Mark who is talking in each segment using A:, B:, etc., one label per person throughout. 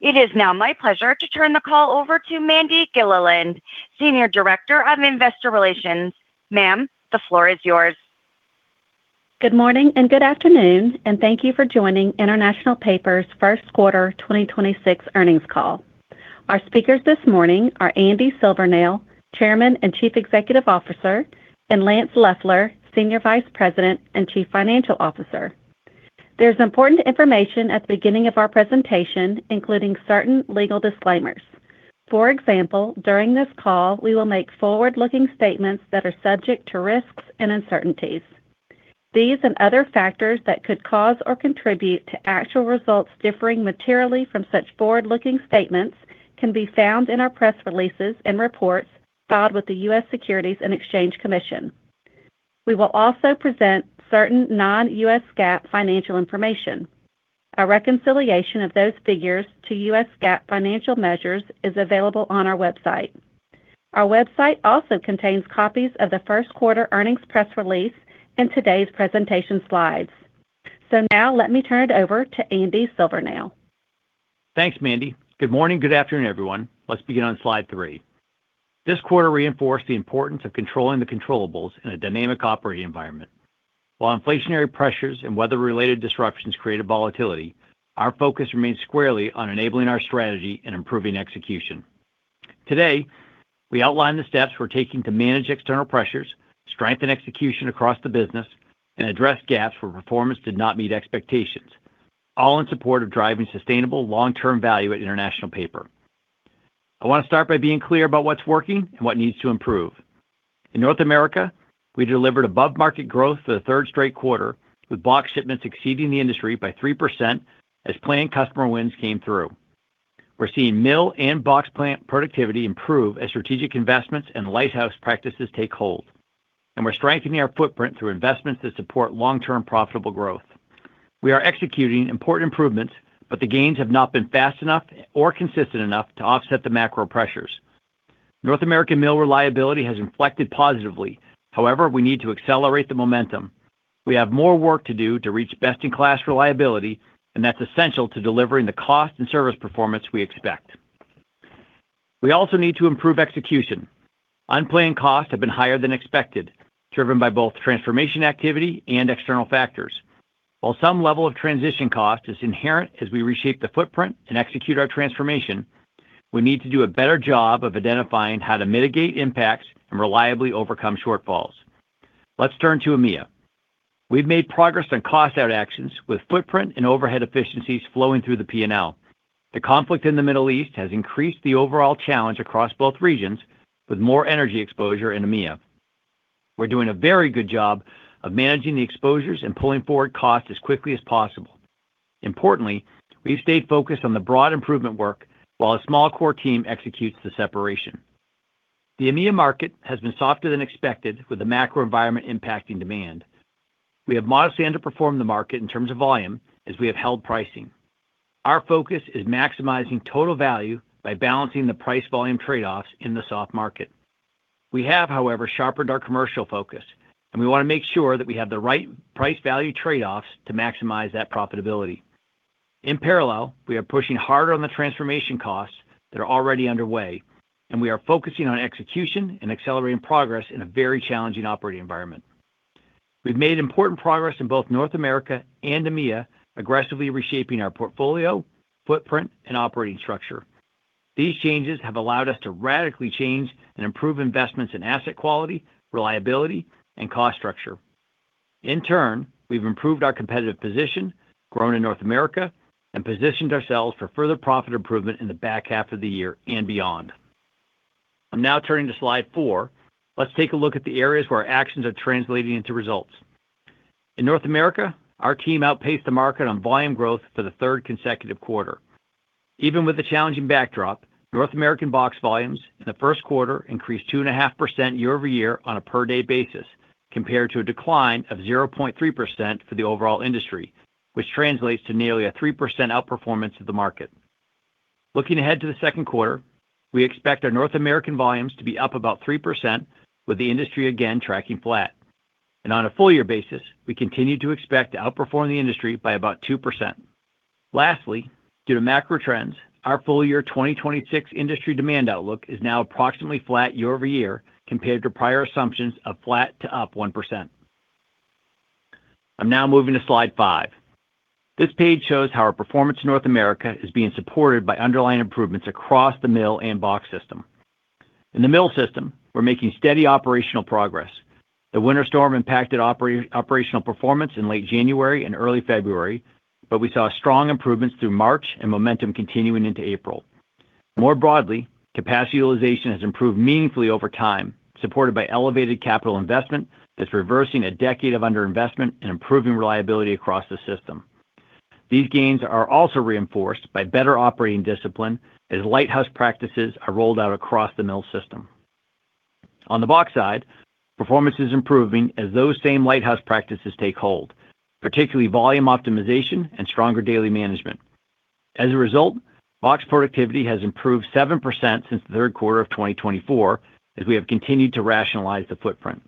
A: It is now my pleasure to turn the call over to Mandi Gilliland, Senior Director of Investor Relations. Ma'am, the floor is yours.
B: Good morning and good afternoon, and thank you for joining International Paper's first quarter 2026 earnings call. Our speakers this morning are Andy Silvernail, Chairman and Chief Executive Officer, and Lance Loeffler, Senior Vice President and Chief Financial Officer. There's important information at the beginning of our presentation, including certain legal disclaimers. For example, during this call, we will make forward-looking statements that are subject to risks and uncertainties. These and other factors that could cause or contribute to actual results differing materially from such forward-looking statements can be found in our press releases and reports filed with the U.S. Securities and Exchange Commission. We will also present certain non-U.S. GAAP financial information. A reconciliation of those figures to U.S. GAAP financial measures is available on our website. Our website also contains copies of the first quarter earnings press release and today's presentation slides. Now let me turn it over to Andy Silvernail.
C: Thanks, Mandi. Good morning, good afternoon, everyone. Let's begin on slide three. This quarter reinforced the importance of controlling the controllables in a dynamic operating environment. While inflationary pressures and weather-related disruptions created volatility, our focus remains squarely on enabling our strategy and improving execution. Today, we outline the steps we're taking to manage external pressures, strengthen execution across the business, and address gaps where performance did not meet expectations, all in support of driving sustainable long-term value at International Paper. I want to start by being clear about what's working and what needs to improve. In North America, we delivered above-market growth for the third straight quarter, with box shipments exceeding the industry by 3% as planned customer wins came through. We're seeing mill and box plant productivity improve as strategic investments and Lighthouse practices take hold, and we're strengthening our footprint through investments that support long-term profitable growth. We are executing important improvements, but the gains have not been fast enough or consistent enough to offset the macro pressures. North American mill reliability has inflected positively. However, we need to accelerate the momentum. We have more work to do to reach best-in-class reliability, and that's essential to delivering the cost and service performance we expect. We also need to improve execution. Unplanned costs have been higher than expected, driven by both transformation activity and external factors. While some level of transition cost is inherent as we reshape the footprint and execute our transformation, we need to do a better job of identifying how to mitigate impacts and reliably overcome shortfalls. Let's turn to EMEA. We've made progress on cost-out actions with footprint and overhead efficiencies flowing through the P&L. The conflict in the Middle East has increased the overall challenge across both regions with more energy exposure in EMEA. We're doing a very good job of managing the exposures and pulling forward costs as quickly as possible. Importantly, we've stayed focused on the broad improvement work while a small core team executes the separation. The EMEA market has been softer than expected with the macro environment impacting demand. We have modestly underperformed the market in terms of volume as we have held pricing. Our focus is maximizing total value by balancing the price-volume trade-offs in the soft market. We have, however, sharpened our commercial focus, and we want to make sure that we have the right price-value trade-offs to maximize that profitability. In parallel, we are pushing harder on the transformation costs that are already underway, and we are focusing on execution and accelerating progress in a very challenging operating environment. We've made important progress in both North America and EMEA, aggressively reshaping our portfolio, footprint, and operating structure. These changes have allowed us to radically change and improve investments in asset quality, reliability, and cost structure. In turn, we've improved our competitive position, grown in North America, and positioned ourselves for further profit improvement in the back half of the year and beyond. I'm now turning to slide four. Let's take a look at the areas where our actions are translating into results. In North America, our team outpaced the market on volume growth for the third consecutive quarter. Even with the challenging backdrop, North American box volumes in the first quarter increased 2.5% year-over-year on a per day basis compared to a decline of 0.3% for the overall industry, which translates to nearly a 3% outperformance of the market. Looking ahead to the second quarter, we expect our North American volumes to be up about 3% with the industry again tracking flat. On a full year basis, we continue to expect to outperform the industry by about 2%. Lastly, due to macro trends, our full year 2026 industry demand outlook is now approximately flat year-over-year compared to prior assumptions of flat to up 1%. I'm now moving to slide five. This page shows how our performance in North America is being supported by underlying improvements across the mill and box system. In the mill system, we're making steady operational progress. The winter storm impacted operational performance in late January and early February. We saw strong improvements through March and momentum continuing into April. More broadly, capacity utilization has improved meaningfully over time, supported by elevated capital investment that's reversing a decade of underinvestment and improving reliability across the system. These gains are also reinforced by better operating discipline as Lighthouse practices are rolled out across the mill system. On the box side, performance is improving as those same Lighthouse practices take hold, particularly volume optimization and stronger daily management. As a result, box productivity has improved 7% since the third quarter of 2024 as we have continued to rationalize the footprint.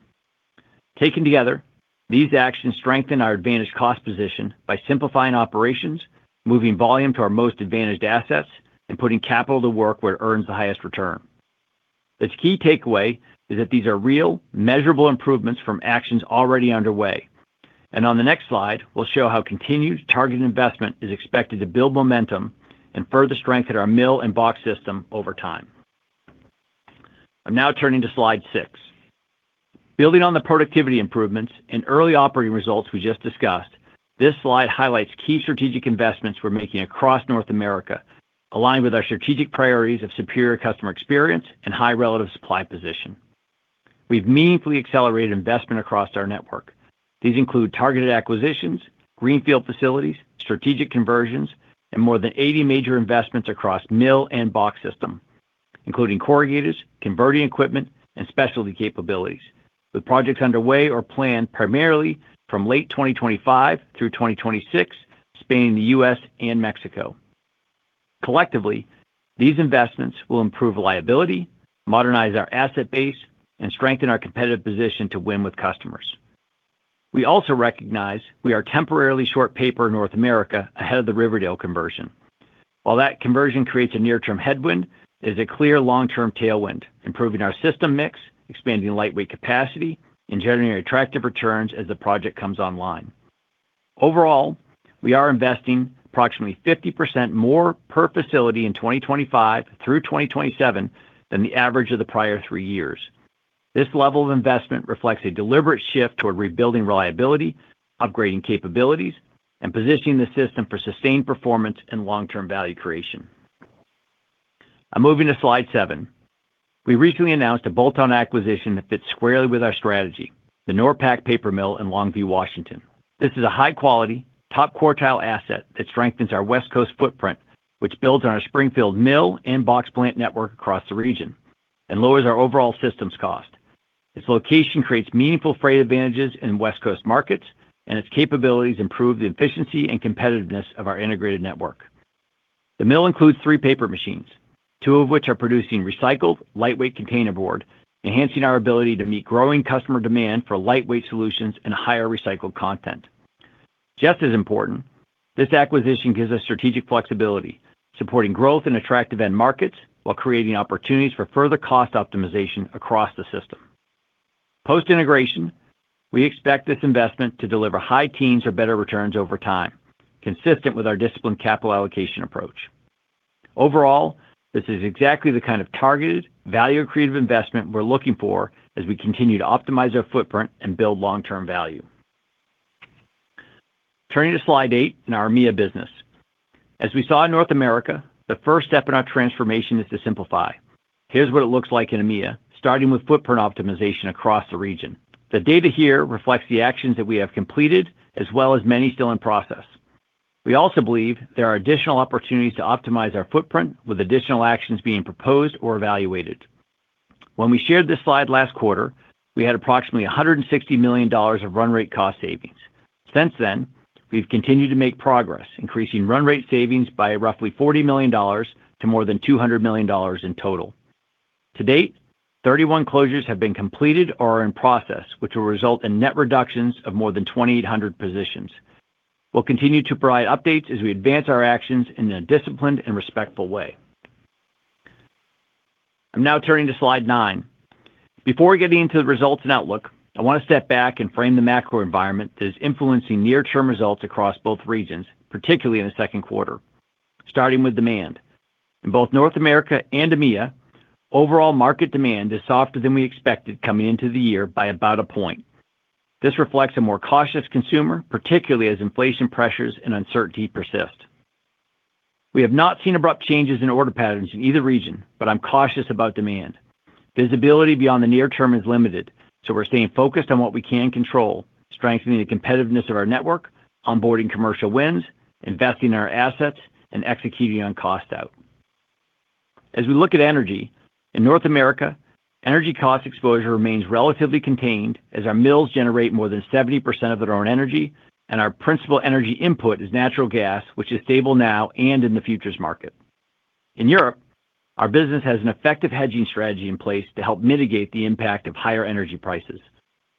C: Taken together, these actions strengthen our advantage cost position by simplifying operations, moving volume to our most advantaged assets, and putting capital to work where it earns the highest return. The key takeaway is that these are real, measurable improvements from actions already underway. On the next slide, we'll show how continued targeted investment is expected to build momentum and further strengthen our mill and box system over time. I'm now turning to slide six. Building on the productivity improvements and early operating results we just discussed, this slide highlights key strategic investments we're making across North America, aligned with our strategic priorities of superior customer experience and high relative supply position. We've meaningfully accelerated investment across our network. These include targeted acquisitions, greenfield facilities, strategic conversions, and more than 80 major investments across mill and box system, including corrugators, converting equipment, and specialty capabilities, with projects underway or planned primarily from late 2025 through 2026, spanning the U.S. and Mexico. Collectively, these investments will improve reliability, modernize our asset base, and strengthen our competitive position to win with customers. We also recognize we are temporarily short paper in North America ahead of the Riverdale conversion. While that conversion creates a near-term headwind, it is a clear long-term tailwind, improving our system mix, expanding lightweight capacity, and generating attractive returns as the project comes online. Overall, we are investing approximately 50% more per facility in 2025 through 2027 than the average of the prior three years. This level of investment reflects a deliberate shift toward rebuilding reliability, upgrading capabilities, and positioning the system for sustained performance and long-term value creation. I'm moving to slide seven. We recently announced a bolt-on acquisition that fits squarely with our strategy, the NORPAC paper mill in Longview, Washington. This is a high-quality, top-quartile asset that strengthens our West Coast footprint, which builds on our Springfield mill and box plant network across the region and lowers our overall systems cost. Its location creates meaningful freight advantages in West Coast markets, and its capabilities improve the efficiency and competitiveness of our integrated network. The mill includes three paper machines, two of which are producing recycled lightweight containerboard, enhancing our ability to meet growing customer demand for lightweight solutions and higher recycled content. Just as important, this acquisition gives us strategic flexibility, supporting growth in attractive end markets while creating opportunities for further cost optimization across the system. Post-integration, we expect this investment to deliver high teens or better returns over time, consistent with our disciplined capital allocation approach. Overall, this is exactly the kind of targeted, value-creative investment we're looking for as we continue to optimize our footprint and build long-term value. Turning to slide eight in our EMEA business. As we saw in North America, the first step in our transformation is to simplify. Here's what it looks like in EMEA, starting with footprint optimization across the region. The data here reflects the actions that we have completed, as well as many still in process. We also believe there are additional opportunities to optimize our footprint, with additional actions being proposed or evaluated. When we shared this slide last quarter, we had approximately $160 million of run rate cost savings. Since then, we've continued to make progress, increasing run rate savings by roughly $40 million to more than $200 million in total. To date, 31 closures have been completed or are in process, which will result in net reductions of more than 2,800 positions. We'll continue to provide updates as we advance our actions in a disciplined and respectful way. I'm now turning to slide nine. Before getting into the results and outlook, I want to step back and frame the macro environment that is influencing near-term results across both regions, particularly in the second quarter, starting with demand. In both North America and EMEA, overall market demand is softer than we expected coming into the year by about a point. This reflects a more cautious consumer, particularly as inflation pressures and uncertainty persist. We have not seen abrupt changes in order patterns in either region, but I'm cautious about demand. Visibility beyond the near term is limited. We're staying focused on what we can control, strengthening the competitiveness of our network, onboarding commercial wins, investing in our assets, and executing on cost out. As we look at energy, in North America, energy cost exposure remains relatively contained as our mills generate more than 70% of their own energy and our principal energy input is natural gas, which is stable now and in the futures market. In Europe, our business has an effective hedging strategy in place to help mitigate the impact of higher energy prices.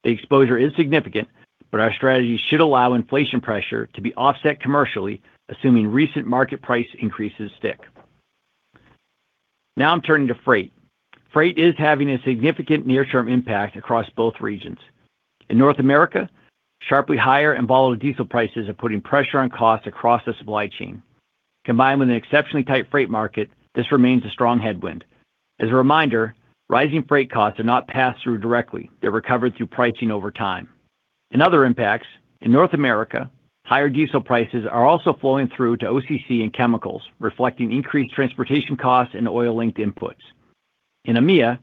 C: The exposure is significant. Our strategy should allow inflation pressure to be offset commercially, assuming recent market price increases stick. Now I'm turning to freight. Freight is having a significant near-term impact across both regions. In North America, sharply higher and volatile diesel prices are putting pressure on costs across the supply chain. Combined with an exceptionally tight freight market, this remains a strong headwind. As a reminder, rising freight costs are not passed through directly. They're recovered through pricing over time. In other impacts, in North America, higher diesel prices are also flowing through to OCC and chemicals, reflecting increased transportation costs and oil-linked inputs. In EMEA,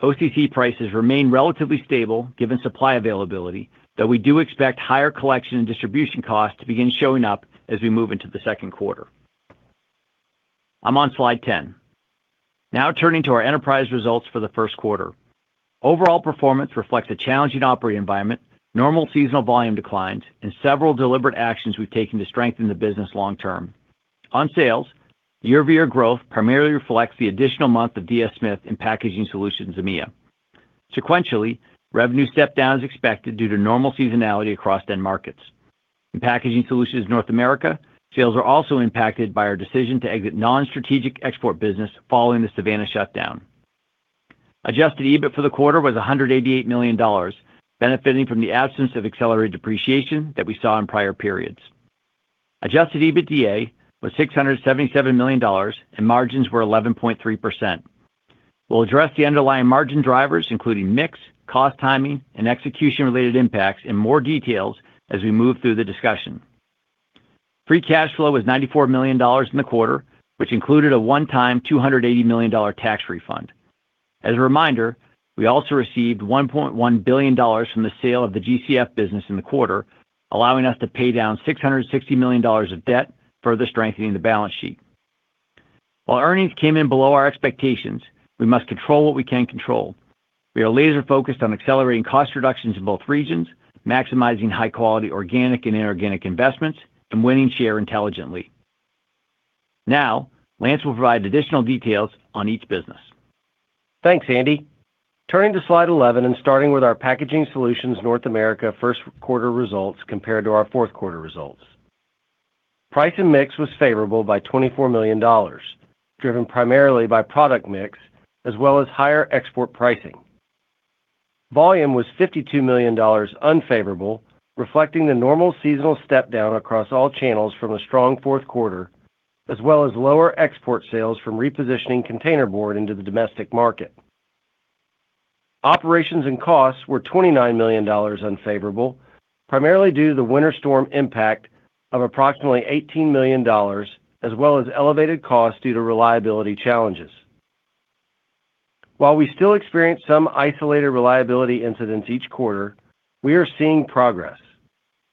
C: OCC prices remain relatively stable given supply availability, though we do expect higher collection and distribution costs to begin showing up as we move into the second quarter. I'm on slide 10. Now turning to our enterprise results for the first quarter. Overall performance reflects a challenging operating environment, normal seasonal volume declines, and several deliberate actions we've taken to strengthen the business long term. On sales, year-over-year growth primarily reflects the additional month of DS Smith in Packaging Solutions EMEA. Sequentially, revenue stepped down as expected due to normal seasonality across end markets. In Packaging Solutions North America, sales were also impacted by our decision to exit non-strategic export business following the Savannah shutdown. Adjusted EBIT for the quarter was $188 million, benefiting from the absence of accelerated depreciation that we saw in prior periods. Adjusted EBITDA was $677 million and margins were 11.3%. We'll address the underlying margin drivers, including mix, cost timing, and execution-related impacts in more details as we move through the discussion. Free cash flow was $94 million in the quarter, which included a one-time $280 million tax refund. As a reminder, we also received $1.1 billion from the sale of the GCF business in the quarter, allowing us to pay down $660 million of debt, further strengthening the balance sheet. While earnings came in below our expectations, we must control what we can control. We are laser-focused on accelerating cost reductions in both regions, maximizing high-quality organic and inorganic investments, and winning share intelligently. Now, Lance will provide additional details on each business.
D: Thanks, Andy. Turning to slide 11 and starting with our Packaging Solutions North America first quarter results compared to our fourth quarter results. Price and mix was favorable by $24 million, driven primarily by product mix as well as higher export pricing. Volume was $52 million unfavorable, reflecting the normal seasonal step down across all channels from a strong fourth quarter, as well as lower export sales from repositioning Containerboard into the domestic market. Operations and costs were $29 million unfavorable, primarily due to the winter storm impact of approximately $18 million, as well as elevated costs due to reliability challenges. While we still experience some isolated reliability incidents each quarter, we are seeing progress.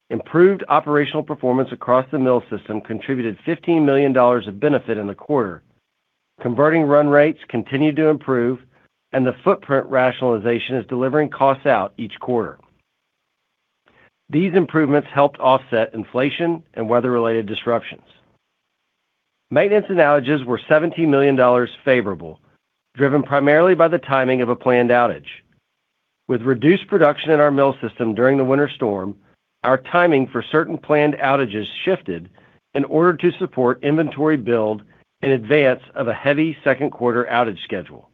D: Improved operational performance across the mill system contributed $15 million of benefit in the quarter. Converting run rates continue to improve, and the footprint rationalization is delivering costs out each quarter. These improvements helped offset inflation and weather-related disruptions. Maintenance and outages were $17 million favorable, driven primarily by the timing of a planned outage. With reduced production in our mill system during the winter storm, our timing for certain planned outages shifted in order to support inventory build in advance of a heavy second quarter outage schedule.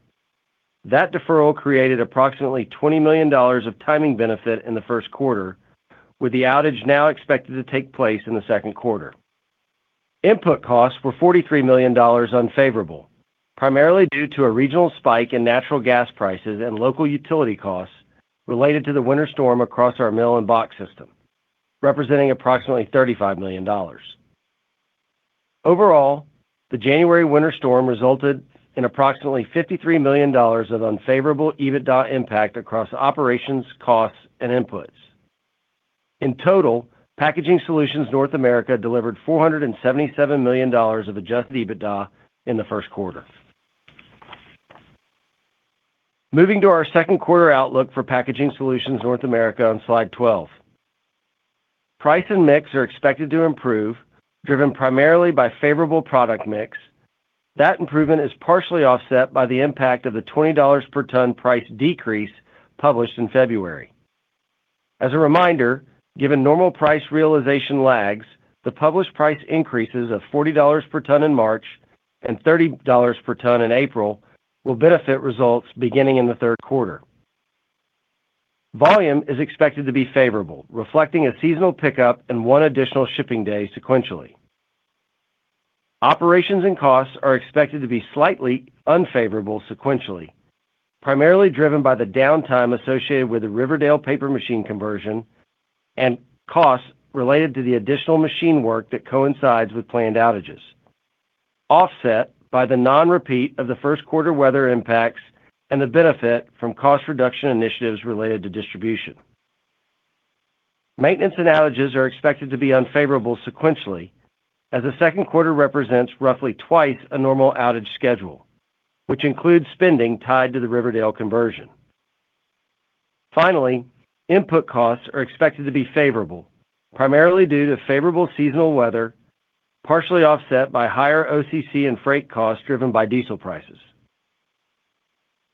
D: That deferral created approximately $20 million of timing benefit in the first quarter, with the outage now expected to take place in the second quarter. Input costs were $43 million unfavorable, primarily due to a regional spike in natural gas prices and local utility costs related to the winter storm across our mill and box system, representing approximately $35 million. Overall, the January winter storm resulted in approximately $53 million of unfavorable EBITDA impact across operations, costs, and inputs. In total, Packaging Solutions North America delivered $477 million of Adjusted EBITDA in the first quarter. Moving to our second quarter outlook for Packaging Solutions North America on slide 12. Price and mix are expected to improve, driven primarily by favorable product mix. That improvement is partially offset by the impact of the $20 per ton price decrease published in February. As a reminder, given normal price realization lags, the published price increases of $40 per ton in March and $30 per ton in April will benefit results beginning in the third quarter. Volume is expected to be favorable, reflecting a seasonal pickup and one additional shipping day sequentially. Operations and costs are expected to be slightly unfavorable sequentially, primarily driven by the downtime associated with the Riverdale paper machine conversion and costs related to the additional machine work that coincides with planned outages, offset by the non-repeat of the first quarter weather impacts and the benefit from cost reduction initiatives related to distribution. Maintenance and outages are expected to be unfavorable sequentially, as the second quarter represents roughly twice a normal outage schedule, which includes spending tied to the Riverdale conversion. Input costs are expected to be favorable, primarily due to favorable seasonal weather, partially offset by higher OCC and freight costs driven by diesel prices.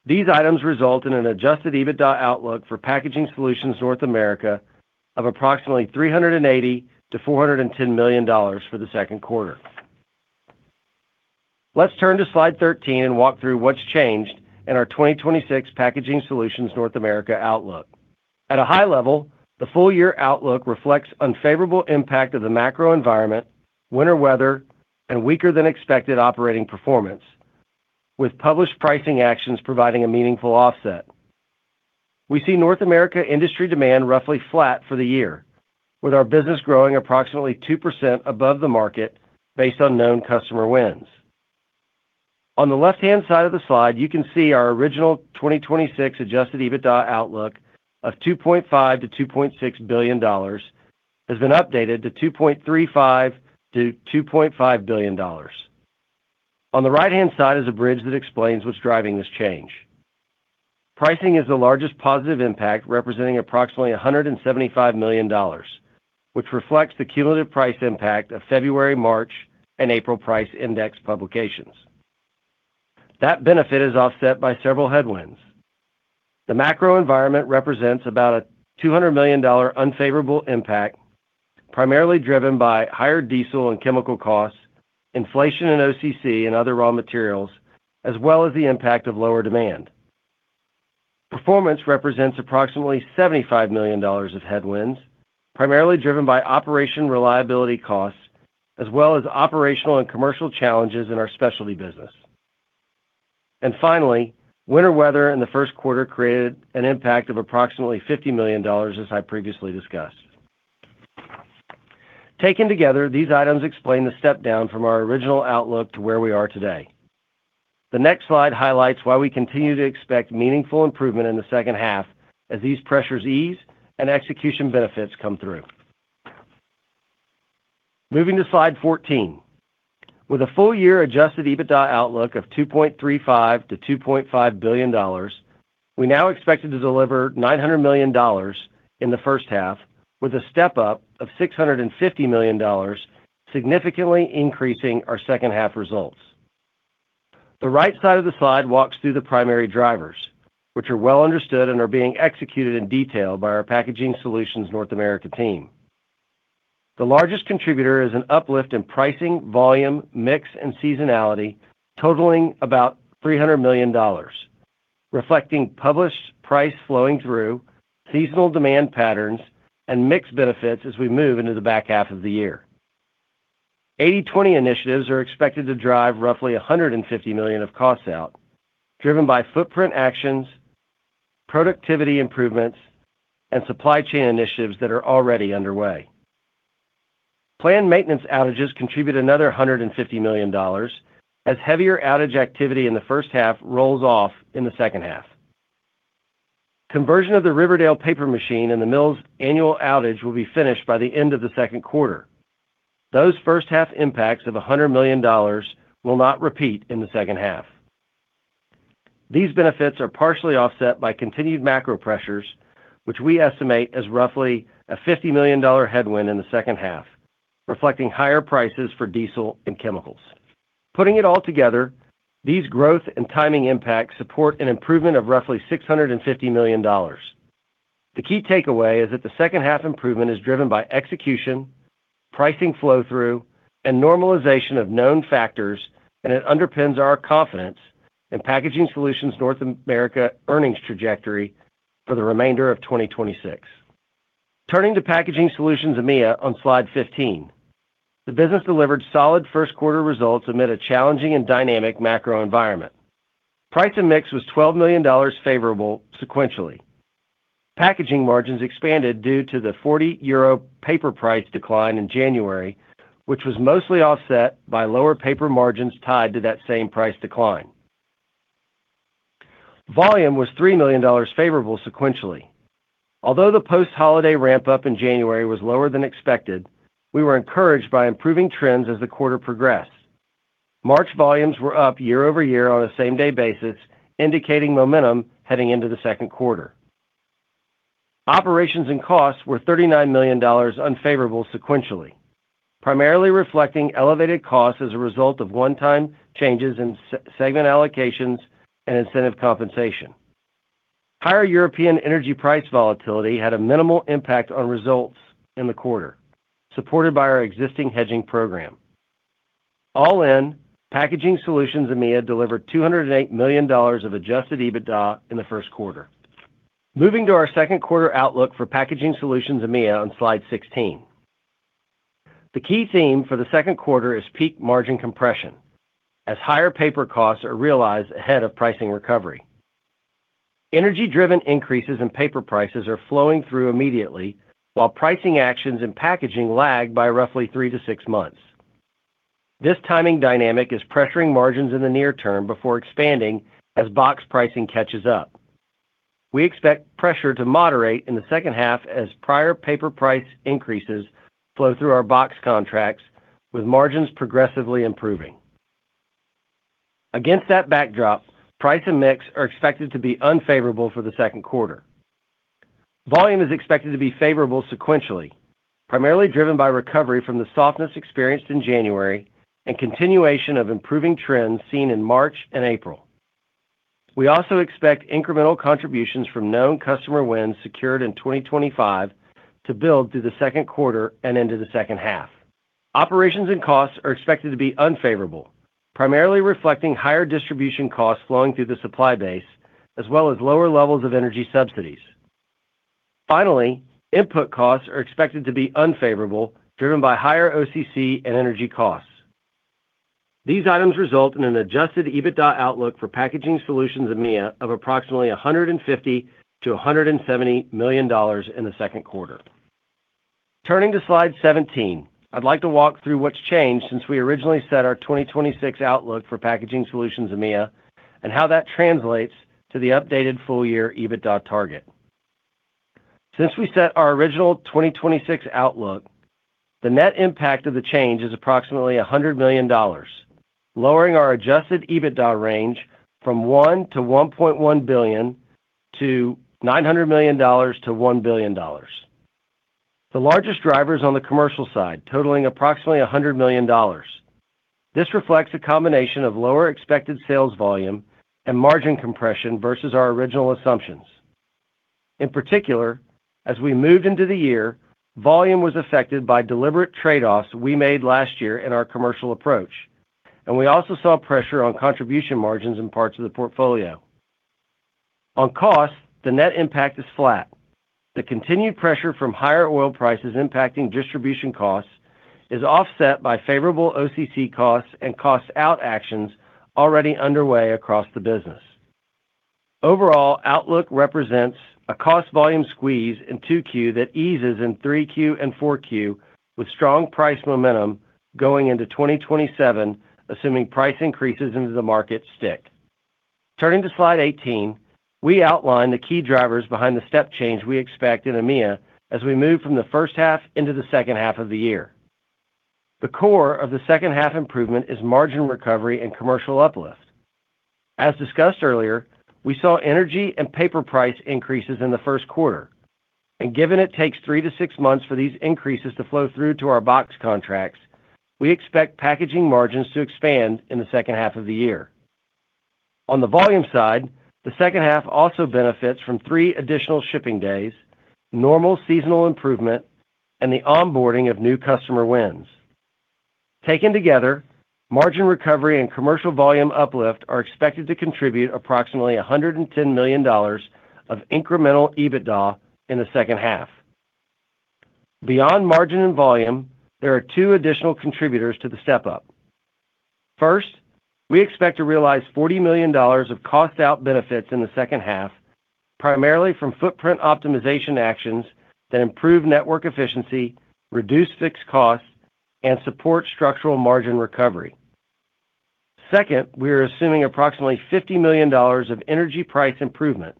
D: These items result in an Adjusted EBITDA outlook for Packaging Solutions North America of approximately $380 million to $410 million for the second quarter. Let's turn to slide 13 and walk through what's changed in our 2026 Packaging Solutions North America outlook. At a high level, the full year outlook reflects unfavorable impact of the macro environment, winter weather, and weaker than expected operating performance, with published pricing actions providing a meaningful offset. We see North America industry demand roughly flat for the year, with our business growing approximately 2% above the market based on known customer wins. On the left-hand side of the slide, you can see our original 2026 Adjusted EBITDA outlook of $2.5 billion-$2.6 billion has been updated to $2.35 billion-$2.5 billion. On the right-hand side is a bridge that explains what's driving this change. Pricing is the largest positive impact, representing approximately $175 million, which reflects the cumulative price impact of February, March, and April price index publications. That benefit is offset by several headwinds. The macro environment represents about a $200 million unfavorable impact, primarily driven by higher diesel and chemical costs, inflation in OCC and other raw materials, as well as the impact of lower demand. Performance represents approximately $75 million of headwinds, primarily driven by operation reliability costs, as well as operational and commercial challenges in our specialty business. Finally, winter weather in the first quarter created an impact of approximately $50 million, as I previously discussed. Taken together, these items explain the step down from our original outlook to where we are today. The next slide highlights why we continue to expect meaningful improvement in the second half as these pressures ease and execution benefits come through. Moving to slide 14. With a full year Adjusted EBITDA outlook of $2.35 billion-$2.5 billion, we now expected to deliver $900 million in the first half with a step-up of $650 million, significantly increasing our second half results. The right side of the slide walks through the primary drivers, which are well understood and are being executed in detail by our Packaging Solutions North America team. The largest contributor is an uplift in pricing, volume, mix, and seasonality totaling about $300 million, reflecting published price flowing through seasonal demand patterns and mix benefits as we move into the back half of the year. 80/20 initiatives are expected to drive roughly $150 million of costs out, driven by footprint actions, productivity improvements, and supply chain initiatives that are already underway. Planned maintenance outages contribute another $150 million, as heavier outage activity in the first half rolls off in the second half. Conversion of the Riverdale paper machine and the mill's annual outage will be finished by the end of the second quarter. Those first half impacts of $100 million will not repeat in the second half. These benefits are partially offset by continued macro pressures, which we estimate as roughly a $50 million headwind in the second half, reflecting higher prices for diesel and chemicals. Putting it all together, these growth and timing impacts support an improvement of roughly $650 million. The key takeaway is that the second half improvement is driven by execution, pricing flow-through, and normalization of known factors. It underpins our confidence in Packaging Solutions North America earnings trajectory for the remainder of 2026. Turning to Packaging Solutions EMEA on slide 15. The business delivered solid first quarter results amid a challenging and dynamic macro environment. Price and mix was $12 million favorable sequentially. Packaging margins expanded due to the 40 euro paper price decline in January, which was mostly offset by lower paper margins tied to that same price decline. Volume was $3 million favorable sequentially. Although the post-holiday ramp up in January was lower than expected, we were encouraged by improving trends as the quarter progressed. March volumes were up year-over-year on a same-day basis, indicating momentum heading into the second quarter. Operations and costs were $39 million unfavorable sequentially, primarily reflecting elevated costs as a result of one-time changes in segment allocations and incentive compensation. Higher European energy price volatility had a minimal impact on results in the quarter, supported by our existing hedging program. All in, Packaging Solutions EMEA delivered $208 million of Adjusted EBITDA in the first quarter. Moving to our second quarter outlook for Packaging Solutions EMEA on slide 16. The key theme for the second quarter is peak margin compression, as higher paper costs are realized ahead of pricing recovery. Energy-driven increases in paper prices are flowing through immediately, while pricing actions and packaging lag by roughly three to six months. This timing dynamic is pressuring margins in the near term before expanding as box pricing catches up. We expect pressure to moderate in the second half as prior paper price increases flow through our box contracts with margins progressively improving. Against that backdrop, price and mix are expected to be unfavorable for the second quarter. Volume is expected to be favorable sequentially, primarily driven by recovery from the softness experienced in January and continuation of improving trends seen in March and April. We also expect incremental contributions from known customer wins secured in 2025 to build through the second quarter and into the second half. Operations and costs are expected to be unfavorable, primarily reflecting higher distribution costs flowing through the supply base, as well as lower levels of energy subsidies. Finally, input costs are expected to be unfavorable, driven by higher OCC and energy costs. These items result in an Adjusted EBITDA outlook for Packaging Solutions EMEA of approximately $150 million-$170 million in the second quarter. Turning to slide 17, I'd like to walk through what's changed since we originally set our 2026 outlook for Packaging Solutions EMEA and how that translates to the updated full year EBITDA target. Since we set our original 2026 outlook, the net impact of the change is approximately $100 million, lowering our Adjusted EBITDA range from $1 billion-$1.1 billion to $900 million-$1 billion. The largest drivers on the commercial side totaling approximately $100 million. This reflects a combination of lower expected sales volume and margin compression versus our original assumptions. In particular, as we moved into the year, volume was affected by deliberate trade-offs we made last year in our commercial approach, and we also saw pressure on contribution margins in parts of the portfolio. On cost, the net impact is flat. The continued pressure from higher oil prices impacting distribution costs is offset by favorable OCC costs and cost-out actions already underway across the business. Overall, outlook represents a cost volume squeeze in Q2 that eases in Q3 and Q4 with strong price momentum going into 2027, assuming price increases into the market stick. Turning to slide 18, we outline the key drivers behind the step change we expect in EMEA as we move from the first half into the second half of the year. The core of the second half improvement is margin recovery and commercial uplift. As discussed earlier, we saw energy and paper price increases in the first quarter, and given it takes three to six months for these increases to flow through to our box contracts, we expect packaging margins to expand in the second half of the year. On the volume side, the second half also benefits from three additional shipping days, normal seasonal improvement, and the onboarding of new customer wins. Taken together, margin recovery and commercial volume uplift are expected to contribute approximately $110 million of incremental EBITDA in the second half. Beyond margin and volume, there are two additional contributors to the step-up. First, we expect to realize $40 million of cost out benefits in the second half, primarily from footprint optimization actions that improve network efficiency, reduce fixed costs, and support structural margin recovery. Second, we are assuming approximately $50 million of energy price improvement,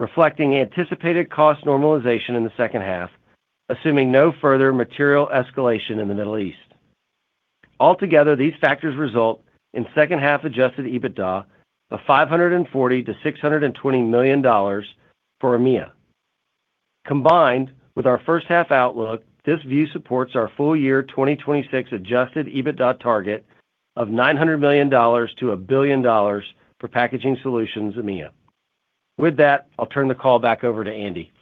D: reflecting anticipated cost normalization in the second half, assuming no further material escalation in the Middle East. Altogether, these factors result in second half Adjusted EBITDA of $540 million-$620 million for EMEA. Combined with our first half outlook, this view supports our full year 2026 Adjusted EBITDA target of $900 million-$1 billion for Packaging Solutions EMEA. With that, I'll turn the call back over to Andy.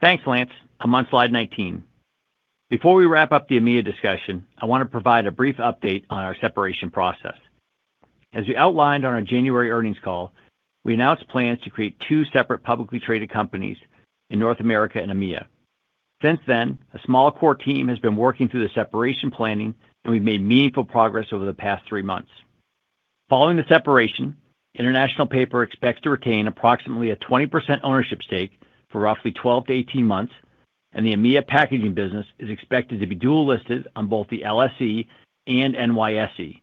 C: Thanks, Lance. I'm on slide 19. Before we wrap up the EMEA discussion, I want to provide a brief update on our separation process. As we outlined on our January earnings call, we announced plans to create two separate publicly traded companies in North America and EMEA. Since then, a small core team has been working through the separation planning, and we've made meaningful progress over the past three months. Following the separation, International Paper expects to retain approximately a 20% ownership stake for roughly 12-18 months, and the EMEA packaging business is expected to be dual listed on both the LSE and NYSE.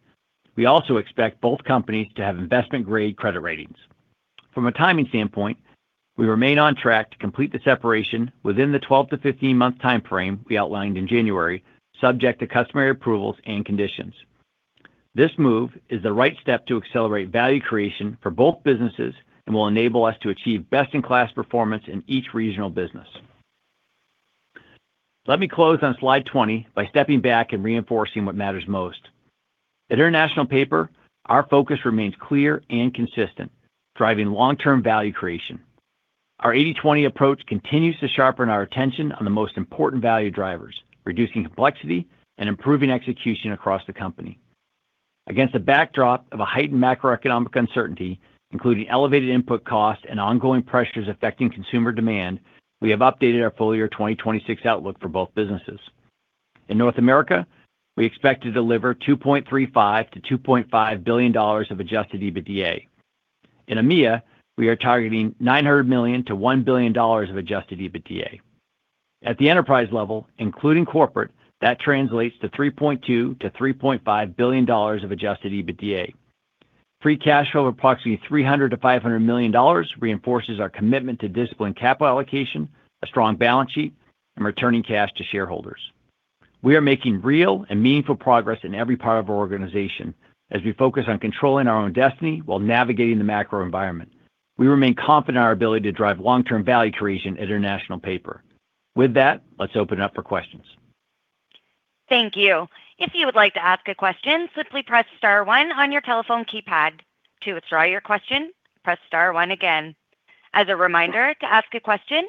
C: We also expect both companies to have investment-grade credit ratings. From a timing standpoint, we remain on track to complete the separation within the 12-15-month timeframe we outlined in January, subject to customary approvals and conditions. This move is the right step to accelerate value creation for both businesses and will enable us to achieve best-in-class performance in each regional business. Let me close on slide 20 by stepping back and reinforcing what matters most. At International Paper, our focus remains clear and consistent, driving long-term value creation. Our 80/20 approach continues to sharpen our attention on the most important value drivers, reducing complexity and improving execution across the company. Against the backdrop of a heightened macroeconomic uncertainty, including elevated input costs and ongoing pressures affecting consumer demand, we have updated our full-year 2026 outlook for both businesses. In North America, we expect to deliver $2.35 billion-$2.5 billion of Adjusted EBITDA. In EMEA, we are targeting $900 million-$1 billion of Adjusted EBITDA. At the enterprise level, including corporate, that translates to $3.2 billion-$3.5 billion of Adjusted EBITDA. Free Cash Flow approximately $300 million-$500 million reinforces our commitment to disciplined capital allocation, a strong balance sheet, and returning cash to shareholders. We are making real and meaningful progress in every part of our organization as we focus on controlling our own destiny while navigating the macro environment. We remain confident in our ability to drive long-term value creation at International Paper. With that, let's open it up for questions.
A: Thank you. If you would like to ask a question, simply press star one on your telephone keypad. To withdraw your question, press star one again. As a reminder, to ask a question,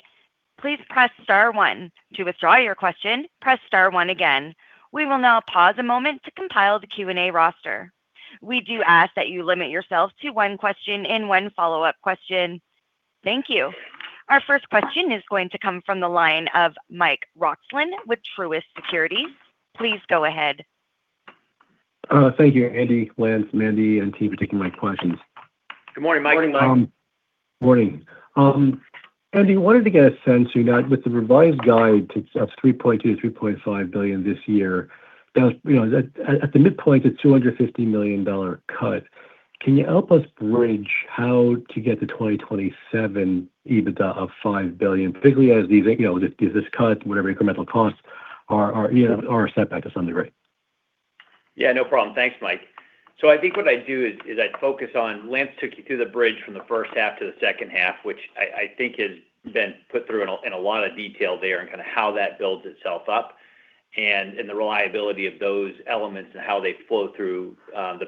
A: please press star one. To withdraw your question, press star one again. We will now pause a moment to compile the Q and A roster. We do ask that you limit yourself to one question and one follow-up question. Thank you. Our first question is going to come from the line of Mike Roxland with Truist Securities. Please go ahead.
E: Thank you, Andy, Lance, Mandi, and team for taking my questions.
C: Good morning, Mike.
E: Morning. Andy, wanted to get a sense, you know, with the revised guide to, of $3.2 billion-$3.5 billion this year, that was, you know, at the midpoint, a $250 million cut. Can you help us bridge how to get to 2027 EBITDA of $5 billion, particularly as these, you know, these cuts, whatever incremental costs are, you know, are set back to some degree?
C: Yeah, no problem. Thanks, Mike. I think what I do is I'd focus on Lance took you through the bridge from the first half to the second half, which I think has been put through in a, in a lot of detail there and kind of how that builds itself up and the reliability of those elements and how they flow through the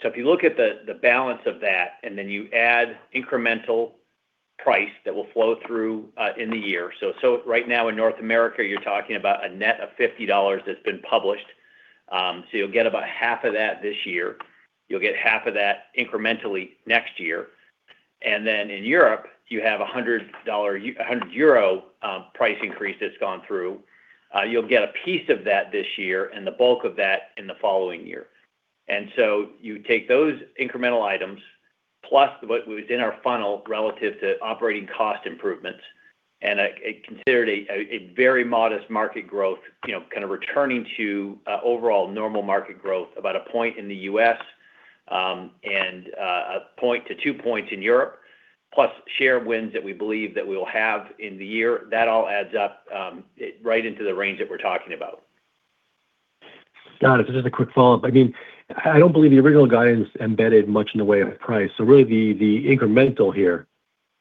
C: P&L. If you look at the balance of that, and then you add incremental price that will flow through in the year. Right now in North America, you're talking about a net of $50 that's been published. You'll get about half of that this year. You'll get half of that incrementally next year. Then in Europe, you have a EUR 100 price increase that's gone through. You'll get a piece of that this year and the bulk of that in the following year. You take those incremental items plus what was in our funnel relative to operating cost improvements, I considered a very modest market growth, you know, kind of returning to overall normal market growth about 1 point in the U.S., and 1 point to 2 points in Europe, plus share wins that we believe that we will have in the year. That all adds up right into the range that we're talking about.
E: Got it. Just a quick follow-up. I mean, I don't believe the original guidance embedded much in the way of price. Really the incremental here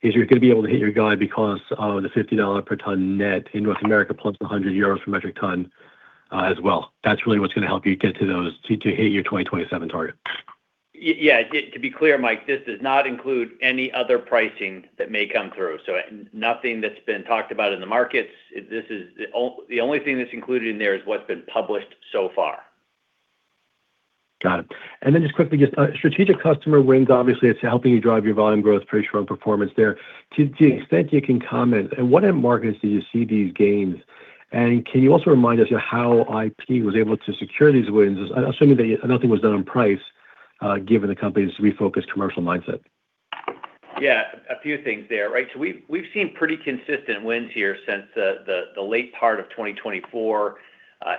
E: is you're gonna be able to hit your guide because of the $50 per ton net in North America plus the 100 euros for metric ton as well. That's really what's gonna help you get to hit your 2027 target.
C: To be clear, Mike, this does not include any other pricing that may come through. Nothing that's been talked about in the markets. This is the only thing that's included in there is what's been published so far.
E: Got it. Just quickly, just strategic customer wins, obviously, it's helping you drive your volume growth, pretty strong performance there. To the extent you can comment, in what end markets do you see these gains? Can you also remind us of how IP was able to secure these wins, assuming that nothing was done on price, given the company's refocused commercial mindset?
C: Yeah, a few things there, right? We've seen pretty consistent wins here since the late part of 2024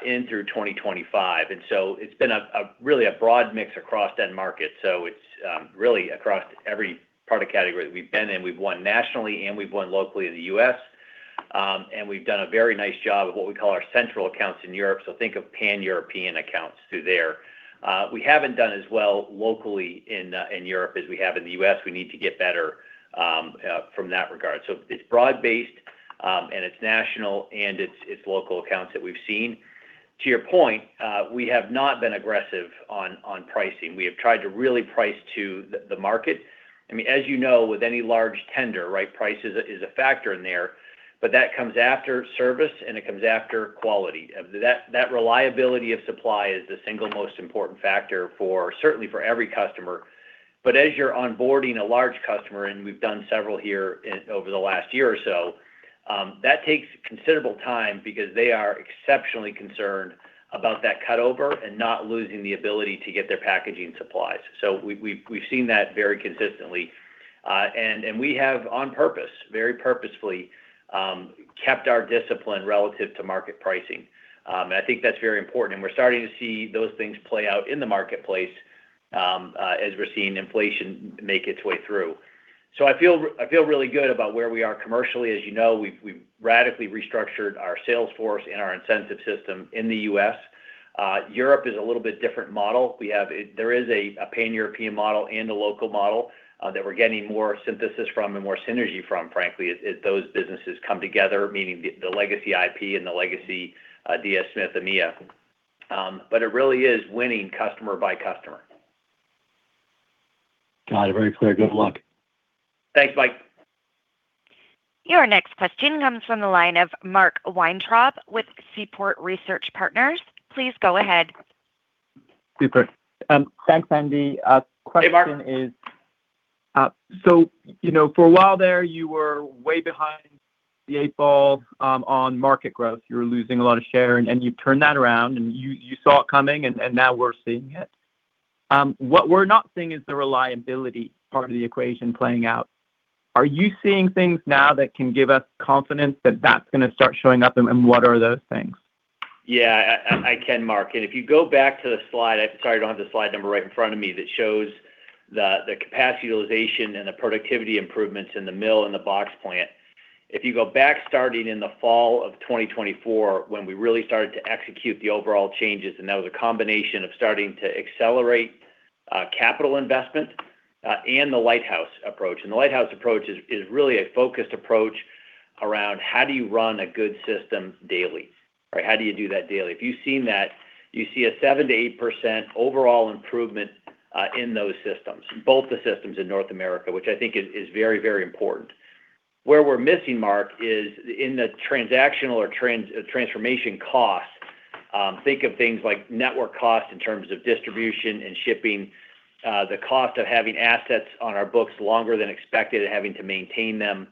C: in through 2025. It's been a really broad mix across end markets. It's really across every product category that we've been in. We've won nationally, and we've won locally in the U.S. We've done a very nice job of what we call our central accounts in Europe. Think of Pan-European accounts through there. We haven't done as well locally in Europe as we have in the U.S. We need to get better from that regard. It's broad-based, and it's national, and it's local accounts that we've seen. To your point, we have not been aggressive on pricing. We have tried to really price to the market. I mean, as you know, with any large tender, right, price is a factor in there, but that comes after service, and it comes after quality. That reliability of supply is the single most important factor for certainly for every customer. As you're onboarding a large customer, and we've done several here over the last year or so, that takes considerable time because they are exceptionally concerned about that cut over and not losing the ability to get their packaging supplies. We've seen that very consistently. We have on purpose, very purposefully, kept our discipline relative to market pricing. I think that's very important, and we're starting to see those things play out in the marketplace, as we're seeing inflation make its way through. I feel really good about where we are commercially. As you know, we've radically restructured our sales force and our incentive system in the U.S. Europe is a little bit different model. There is a Pan-European model and a local model that we're getting more synthesis from and more synergy from, frankly, as those businesses come together, meaning the legacy IP and the legacy DS Smith EMEA. It really is winning customer by customer.
E: Got it. Very clear. Good luck.
C: Thanks, Mike.
A: Your next question comes from the line of Mark Weintraub with Seaport Research Partners. Please go ahead.
F: Super. Thanks, Andy.
C: Hey, Mark.
F: Question is, so, you know, for a while there, you were way behind the eight ball on market growth. You were losing a lot of share, and you turned that around, and you saw it coming, and now we're seeing it. What we're not seeing is the reliability part of the equation playing out. Are you seeing things now that can give us confidence that that's gonna start showing up, and what are those things?
C: Yeah, I can, Mark. If you go back to the slide, I'm sorry, I don't have the slide number right in front of me, that shows the capacity utilization and the productivity improvements in the mill and the box plant. If you go back starting in the fall of 2024, when we really started to execute the overall changes, that was a combination of starting to accelerate capital investment and the Lighthouse approach. The Lighthouse approach is really a focused approach around how do you run a good system daily, right? How do you do that daily? If you've seen that, you see a 7%-8% overall improvement in those systems, both the systems in North America, which I think is very important. Where we're missing, Mark, is in the transactional or trans-transformation cost. Think of things like network cost in terms of distribution and shipping, the cost of having assets on our books longer than expected and having to maintain them.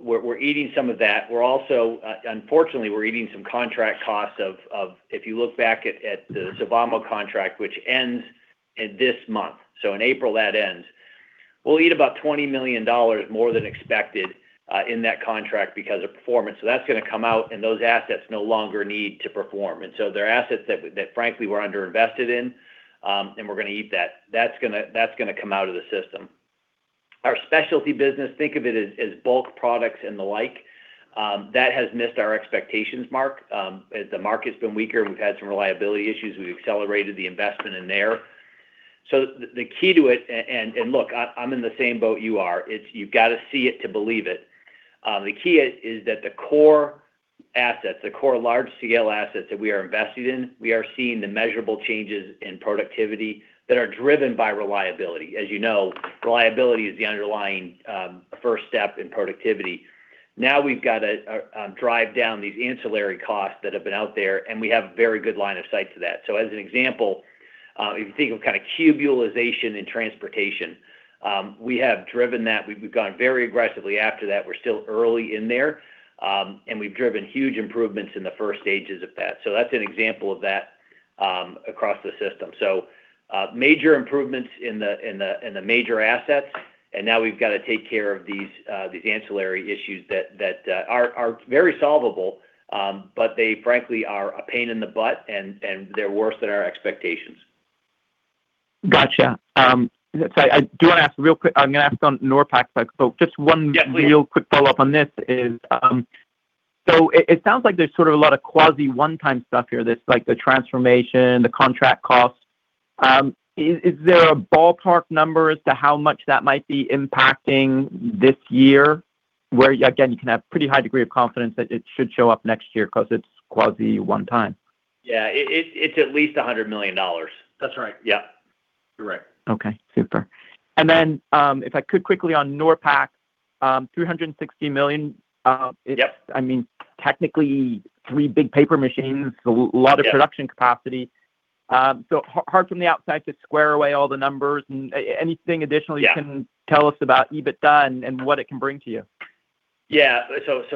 C: We're eating some of that. We're also, unfortunately, we're eating some contract costs of if you look back at the Savannah contract, which ends this month. In April, that ends. We'll eat about $20 million more than expected in that contract because of performance. That's gonna come out, and those assets no longer need to perform. They're assets that frankly we're under-invested in, and we're gonna eat that. That's gonna come out of the system. Our specialty business, think of it as bulk products and the like. That has missed our expectations, Mark. As the market's been weaker, we've had some reliability issues. We've accelerated the investment in there. The key to it, and look, I'm in the same boat you are. It's you've gotta see it to believe it. The key is that the core assets, the core large scale assets that we are invested in, we are seeing the measurable changes in productivity that are driven by reliability. As you know, reliability is the underlying first step in productivity. We've gotta drive down these ancillary costs that have been out there, and we have a very good line of sight to that. As an example, if you think of kind of cube utilization in transportation, we have driven that. We've gone very aggressively after that. We're still early in there. We've driven huge improvements in the first stages of that. That's an example of that across the system. Major improvements in the major assets, now we've got to take care of these ancillary issues that are very solvable. They frankly are a pain in the butt and they're worse than our expectations.
F: Gotcha. I do wanna ask real quick, I'm gonna ask on NORPAC.
C: Yes, please.
F: Real quick follow-up on this is, it sounds like there's sort of a lot of quasi one time stuff here that's like the transformation, the contract costs. Is there a ballpark number as to how much that might be impacting this year, where again, you can have pretty high degree of confidence that it should show up next year 'cause it's quasi one time?
C: Yeah. It's at least $100 million. That's right. Yeah.
D: You're right.
F: Okay. Super. If I could quickly on NORPAC, $360 million.
C: Yep
F: It's, I mean, technically three big paper machines.
C: Mm-hmm. Yep.
F: A lot of production capacity. Hard from the outside to square away all the numbers and anything.
C: Yeah
F: You can tell us about EBITDA and what it can bring to you.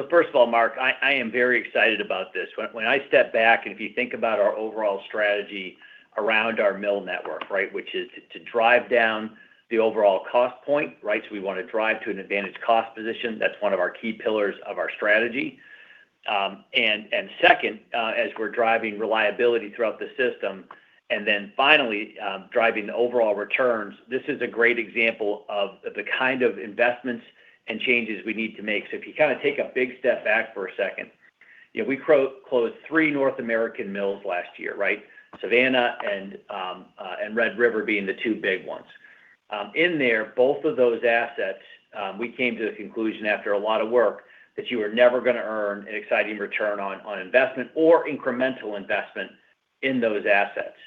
C: First of all, Mark, I am very excited about this. When I step back and if you think about our overall strategy around our mill network, right. Which is to drive down the overall cost point, right. We want to drive to an advantage cost position. That's one of our key pillars of our strategy. And second, as we're driving reliability throughout the system, finally, driving the overall returns, this is a great example of the kind of investments and changes we need to make. If you kind of take a big step back for a second, you know, we closed three North American mills last year, right. Savannah and Red River being the two big ones. In there, both of those assets, we came to the conclusion after a lot of work that you are never gonna earn an exciting return on investment or incremental investment in those assets.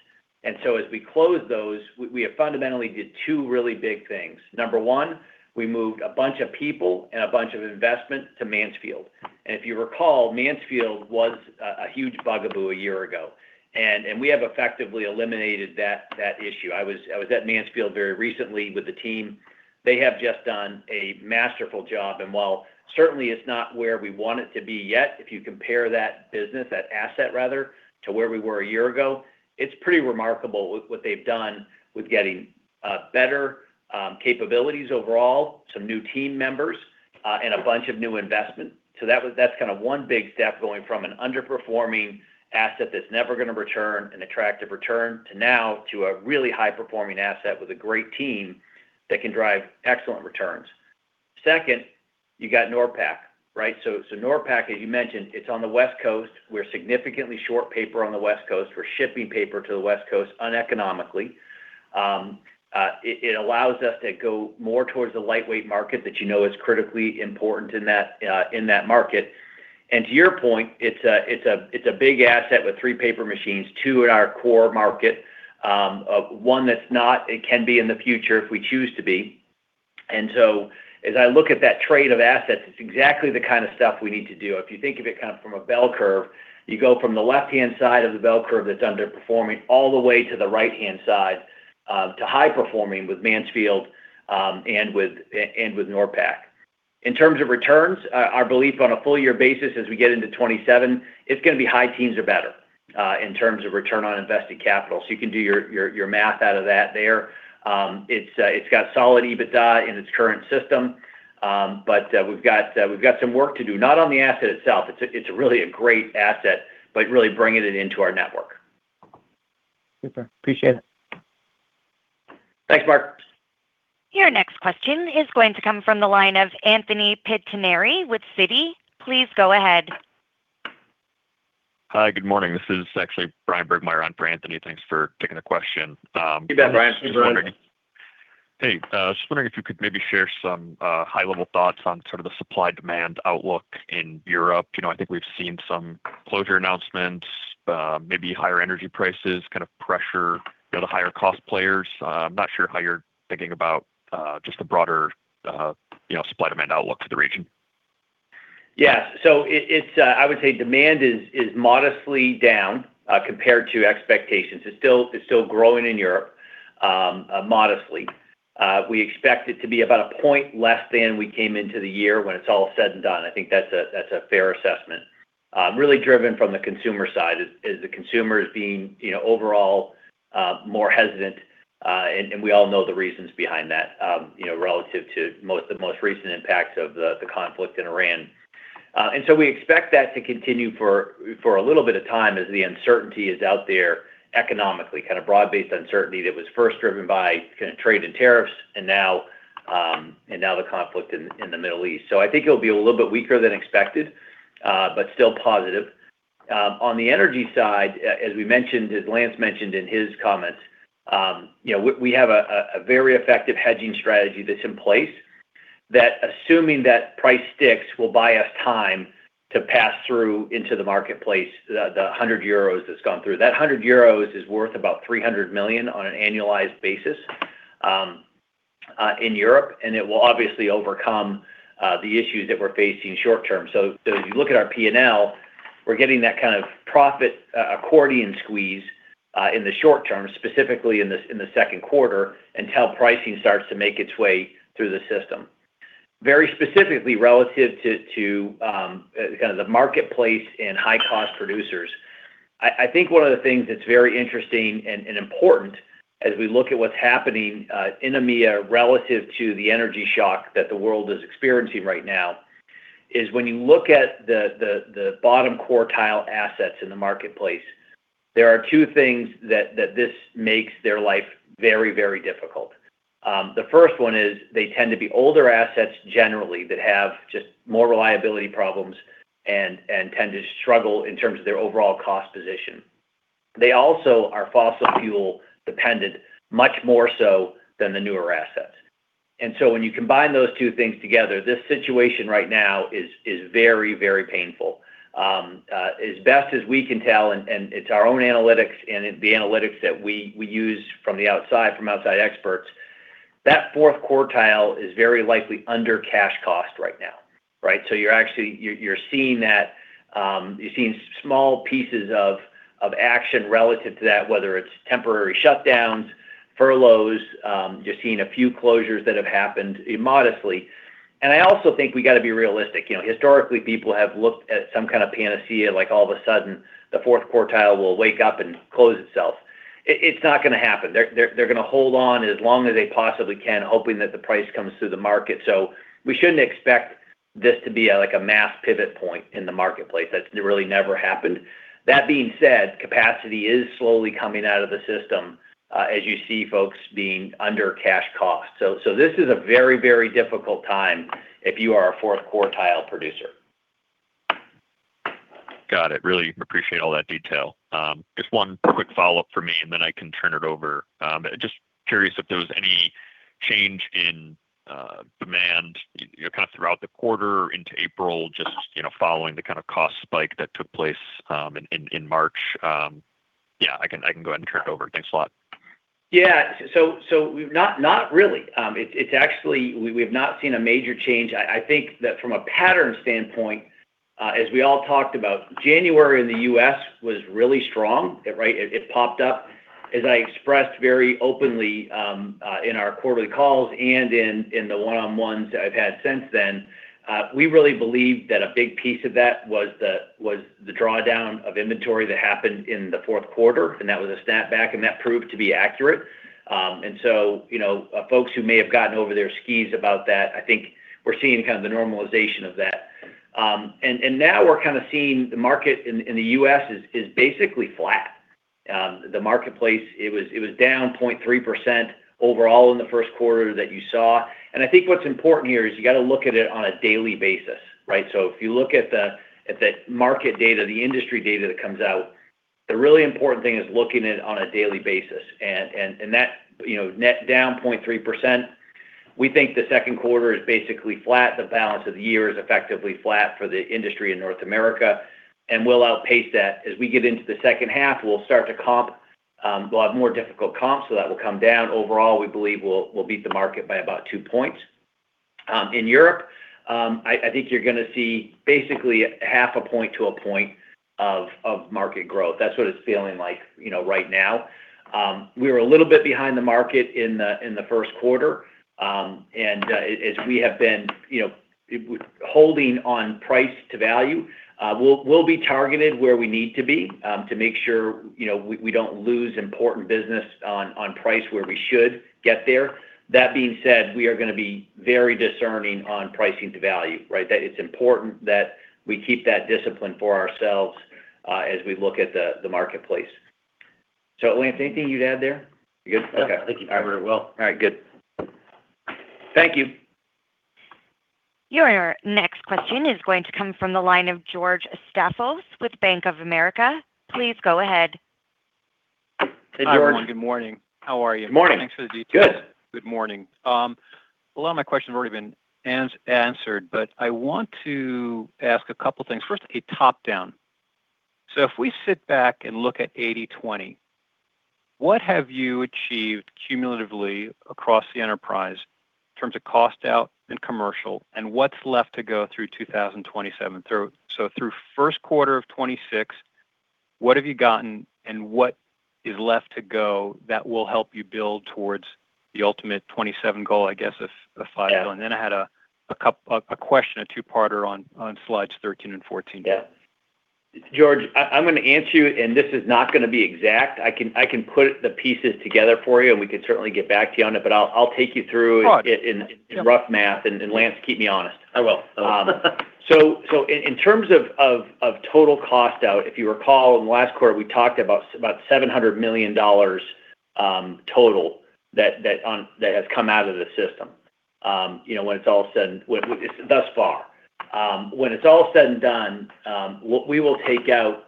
C: As we close those, we have fundamentally did two really big things. Number one, we moved a bunch of people and a bunch of investment to Mansfield. If you recall, Mansfield was a huge bugaboo a year ago. We have effectively eliminated that issue. I was at Mansfield very recently with the team. They have just done a masterful job, and while certainly it's not where we want it to be yet, if you compare that business, that asset rather, to where we were a year ago, it's pretty remarkable with what they've done with getting better capabilities overall, some new team members, and a bunch of new investment. That's kind of one big step going from an underperforming asset that's never going to return an attractive return to now to a really high performing asset with a great team that can drive excellent returns. Second, you got NORPAC, right? NORPAC, as you mentioned, it's on the West Coast. We're significantly short paper on the West Coast. We're shipping paper to the West Coast uneconomically. It allows us to go more towards the lightweight market that you know is critically important in that, in that market. To your point, it's a big asset with three paper machines, two in our core market, one that's not. It can be in the future if we choose to be. As I look at that trade of assets, it's exactly the kind of stuff we need to do. If you think of it kind of from a bell curve, you go from the left-hand side of the bell curve that's underperforming all the way to the right-hand side, to high performing with Mansfield, and with NORPAC. In terms of returns, our belief on a full year basis as we get into 2027, it's gonna be high teens or better, in terms of return on invested capital. You can do your math out of that there. It's got solid EBITDA in its current system. We've got some work to do, not on the asset itself. It's really a great asset, but really bringing it into our network.
F: Super. Appreciate it.
C: Thanks Mark.
A: Your next question is going to come from the line of Anthony Pettinari with Citi. Please go ahead.
G: Hi, good morning. This is actually Brian Maguire on for Anthony. Thanks for taking the question.
C: You bet Brian. Please go ahead.
G: I'm just wondering. Hey, just wondering if you could maybe share some high-level thoughts on sort of the supply-demand outlook in Europe. You know, I think we've seen some closure announcements, maybe higher energy prices kind of pressure, you know, the higher cost players. I'm not sure how you're thinking about just the broader, you know, supply-demand outlook for the region.
C: Yeah. It's, I would say demand is modestly down compared to expectations. It's still growing in Europe, modestly. We expect it to be about a point less than we came into the year when it's all said and done. I think that's a fair assessment. Really driven from the consumer side is the consumers being, you know, overall, more hesitant. And we all know the reasons behind that, you know, relative to the most recent impacts of the conflict in Iran. We expect that to continue for a little bit of time as the uncertainty is out there economically. Kind of broad-based uncertainty that was first driven by kinda trade and tariffs and now the conflict in the Middle East. I think it'll be a little bit weaker than expected, but still positive. On the energy side, as we mentioned, as Lance mentioned in his comments, you know, we have a very effective hedging strategy that's in place that assuming that price sticks will buy us time to pass through into the marketplace the 100 euros that's gone through. That 100 euros is worth about 300 million on an annualized basis in Europe, and it will obviously overcome the issues that we're facing short term. As you look at our P&L, we're getting that kind of profit accordion squeeze in the short term, specifically in the second quarter, until pricing starts to make its way through the system. Very specifically relative to, kind of the marketplace and high-cost producers, I think one of the things that's very interesting and important as we look at what's happening in EMEA relative to the energy shock that the world is experiencing right now is when you look at the bottom quartile assets in the marketplace, there are two things that this makes their life very difficult. The first one is they tend to be older assets generally that have just more reliability problems and tend to struggle in terms of their overall cost position. They also are fossil fuel dependent much more so than the newer assets. When you combine those two things together, this situation right now is very painful. As best as we can tell and it's our own analytics and the analytics that we use from the outside from outside experts, that fourth quartile is very likely under cash cost right now, right? You're actually seeing that, you're seeing small pieces of action relative to that, whether it's temporary shutdowns, furloughs, you're seeing a few closures that have happened modestly. I also think we gotta be realistic. You know, historically, people have looked at some kind of panacea, like all of a sudden the fourth quartile will wake up and close itself. It's not gonna happen. They're gonna hold on as long as they possibly can, hoping that the price comes through the market. We shouldn't expect this to be a, like a mass pivot point in the marketplace. That's really never happened. That being said, capacity is slowly coming out of the system, as you see folks being under cash cost. This is a very, very difficult time if you are a fourth quartile producer.
G: Got it. Really appreciate all that detail. Just one quick follow-up for me, and then I can turn it over. Just curious if there was any change in demand, you know, kind of throughout the quarter into April, just, you know, following the kind of cost spike that took place in March. Yeah, I can go ahead and turn it over. Thanks a lot.
C: We've not really. It's actually we have not seen a major change. I think that from a pattern standpoint, as we all talked about, January in the U.S. was really strong. Right? It popped up. As I expressed very openly, in our quarterly calls and in the one-on-ones I've had since then, we really believe that a big piece of that was the drawdown of inventory that happened in the fourth quarter, and that was a snapback, and that proved to be accurate. You know, folks who may have gotten over their skis about that, I think we're seeing kind of the normalization of that. Now we're kind of seeing the market in the U.S. is basically flat. The marketplace, it was down 0.3% overall in the first quarter that you saw. I think what's important here is you gotta look at it on a daily basis, right? If you look at the market data, the industry data that comes out, the really important thing is looking at it on a daily basis. That, you know, net down 0.3%. We think the second quarter is basically flat. The balance of the year is effectively flat for the industry in North America, and we'll outpace that. As we get into the second half, we'll start to comp, we'll have more difficult comps, so that will come down. Overall, we believe we'll beat the market by about 2 points. In Europe, I think you're gonna see basically 0.5 point to 1 point of market growth. That's what it's feeling like, you know, right now. We were a little bit behind the market in the first quarter. And as we have been, you know, holding on price to value, we'll be targeted where we need to be to make sure, you know, we don't lose important business on price where we should get there. That being said, we are gonna be very discerning on pricing to value, right? That it's important that we keep that discipline for ourselves as we look at the marketplace. Lance, anything you'd add there? You good? Okay.
D: No. I think you covered it well.
C: All right. Good.
G: Thank you.
A: Your next question is going to come from the line of George Staphos with Bank of America. Please go ahead.
C: Hey, George.
H: Hi, everyone. Good morning. How are you?
C: Morning.
H: Thanks for the detail.
C: Good.
H: Good morning. A lot of my questions have already been answered, but I want to ask a couple things. First, a top-down. If we sit back and look at 80/20, what have you achieved cumulatively across the enterprise in terms of cost out and commercial, and what's left to go through 2027? Through first quarter of 2026. What have you gotten and what is left to go that will help you build towards the ultimate 2027 goal, I guess?
C: Yeah
H: I had a question, a two-parter on slides 13 and 14.
C: Yeah. George, I'm gonna answer you. This is not gonna be exact. I can put the pieces together for you. We can certainly get back to you on it. I'll take you through.
H: Sure
C: It in rough math. Lance, keep me honest.
D: I will.
C: In terms of total cost out, if you recall in the last quarter we talked about $700 million total that has come out of the system. You know, when it's all said and thus far. When it's all said and done, we will take out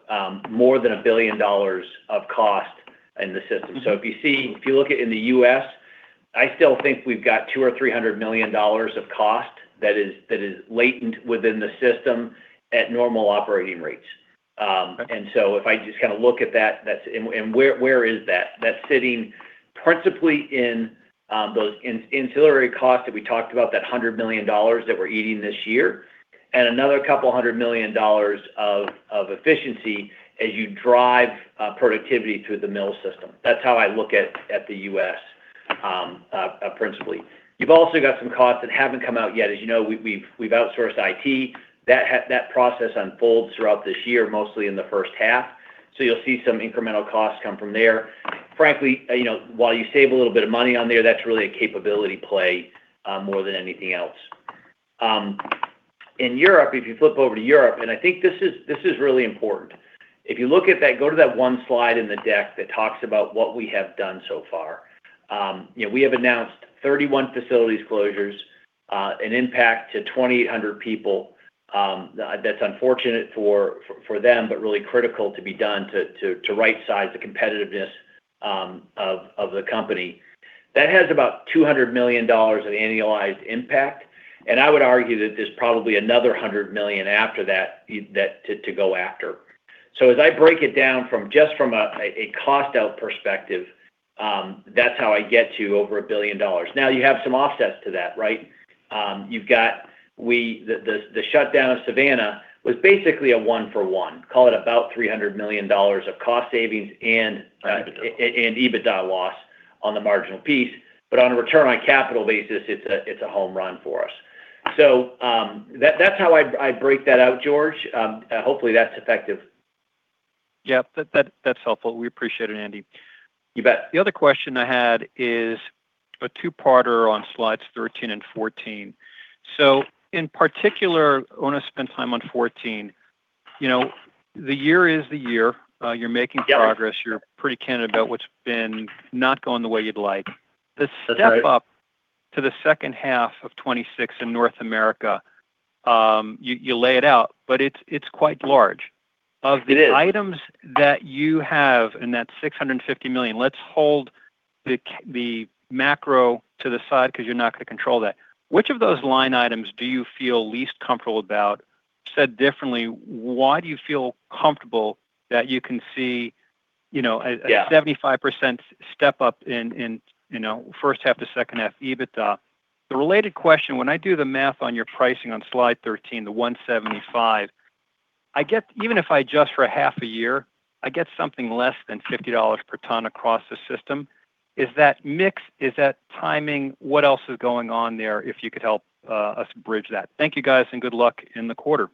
C: more than $1 billion of cost in the system.
H: Mm-hmm.
C: If you look at in the U.S., I still think we've got $200 million or $300 million of cost that is latent within the system at normal operating rates. If I just kinda look at that's sitting principally in those ancillary costs that we talked about, that $100 million that we're eating this year, and another $200 million of efficiency as you drive productivity through the mill system. That's how I look at the U.S. principally. You've also got some costs that haven't come out yet. As you know, we've outsourced IT. That process unfolds throughout this year, mostly in the first half, so you'll see some incremental costs come from there. Frankly, you know, while you save a little bit of money on there, that's really a capability play more than anything else. In Europe, if you flip over to Europe, I think this is really important. If you look at that, go to that one slide in the deck that talks about what we have done so far. You know, we have announced 31 facilities closures, an impact to 2,800 people. That's unfortunate for them, really critical to be done to right size the competitiveness of the company. That has about $200 million of annualized impact, I would argue that there's probably another $100 million after that to go after. As I break it down from just from a cost out perspective, that's how I get to over $1 billion. You have some offsets to that, right? You've got the shutdown of Savannah was basically a one for one. Call it about $300 million of cost savings and EBITDA. EBITDA loss on the marginal piece, but on a return on capital basis, it's a home run for us. That's how I break that out, George. Hopefully that's effective.
H: Yeah. That's helpful. We appreciate it, Andy.
C: You bet.
H: The other question I had is a two-parter on slides 13 and 14. In particular, I wanna spend time on 14. You know, the year is the year, you're making progress.
C: Yep.
H: You're pretty candid about what's been not going the way you'd like.
C: That's right.
H: The step up to the second half of 2026 in North America, you lay it out, but it's quite large.
C: It is.
H: Of the items that you have in that $650 million, let's hold the macro to the side, 'cause you're not gonna control that. Which of those line items do you feel least comfortable about? Said differently, why do you feel comfortable that you can see, you know.
C: Yeah
H: A 75% step up in, you know, first half to second half EBITDA? The related question, when I do the math on your pricing on slide 13, the $175, I get, even if I adjust for a half a year, I get something less than $50 per ton across the system. Is that mix, is that timing? What else is going on there, if you could help us bridge that? Thank you, guys, and good luck in the quarter.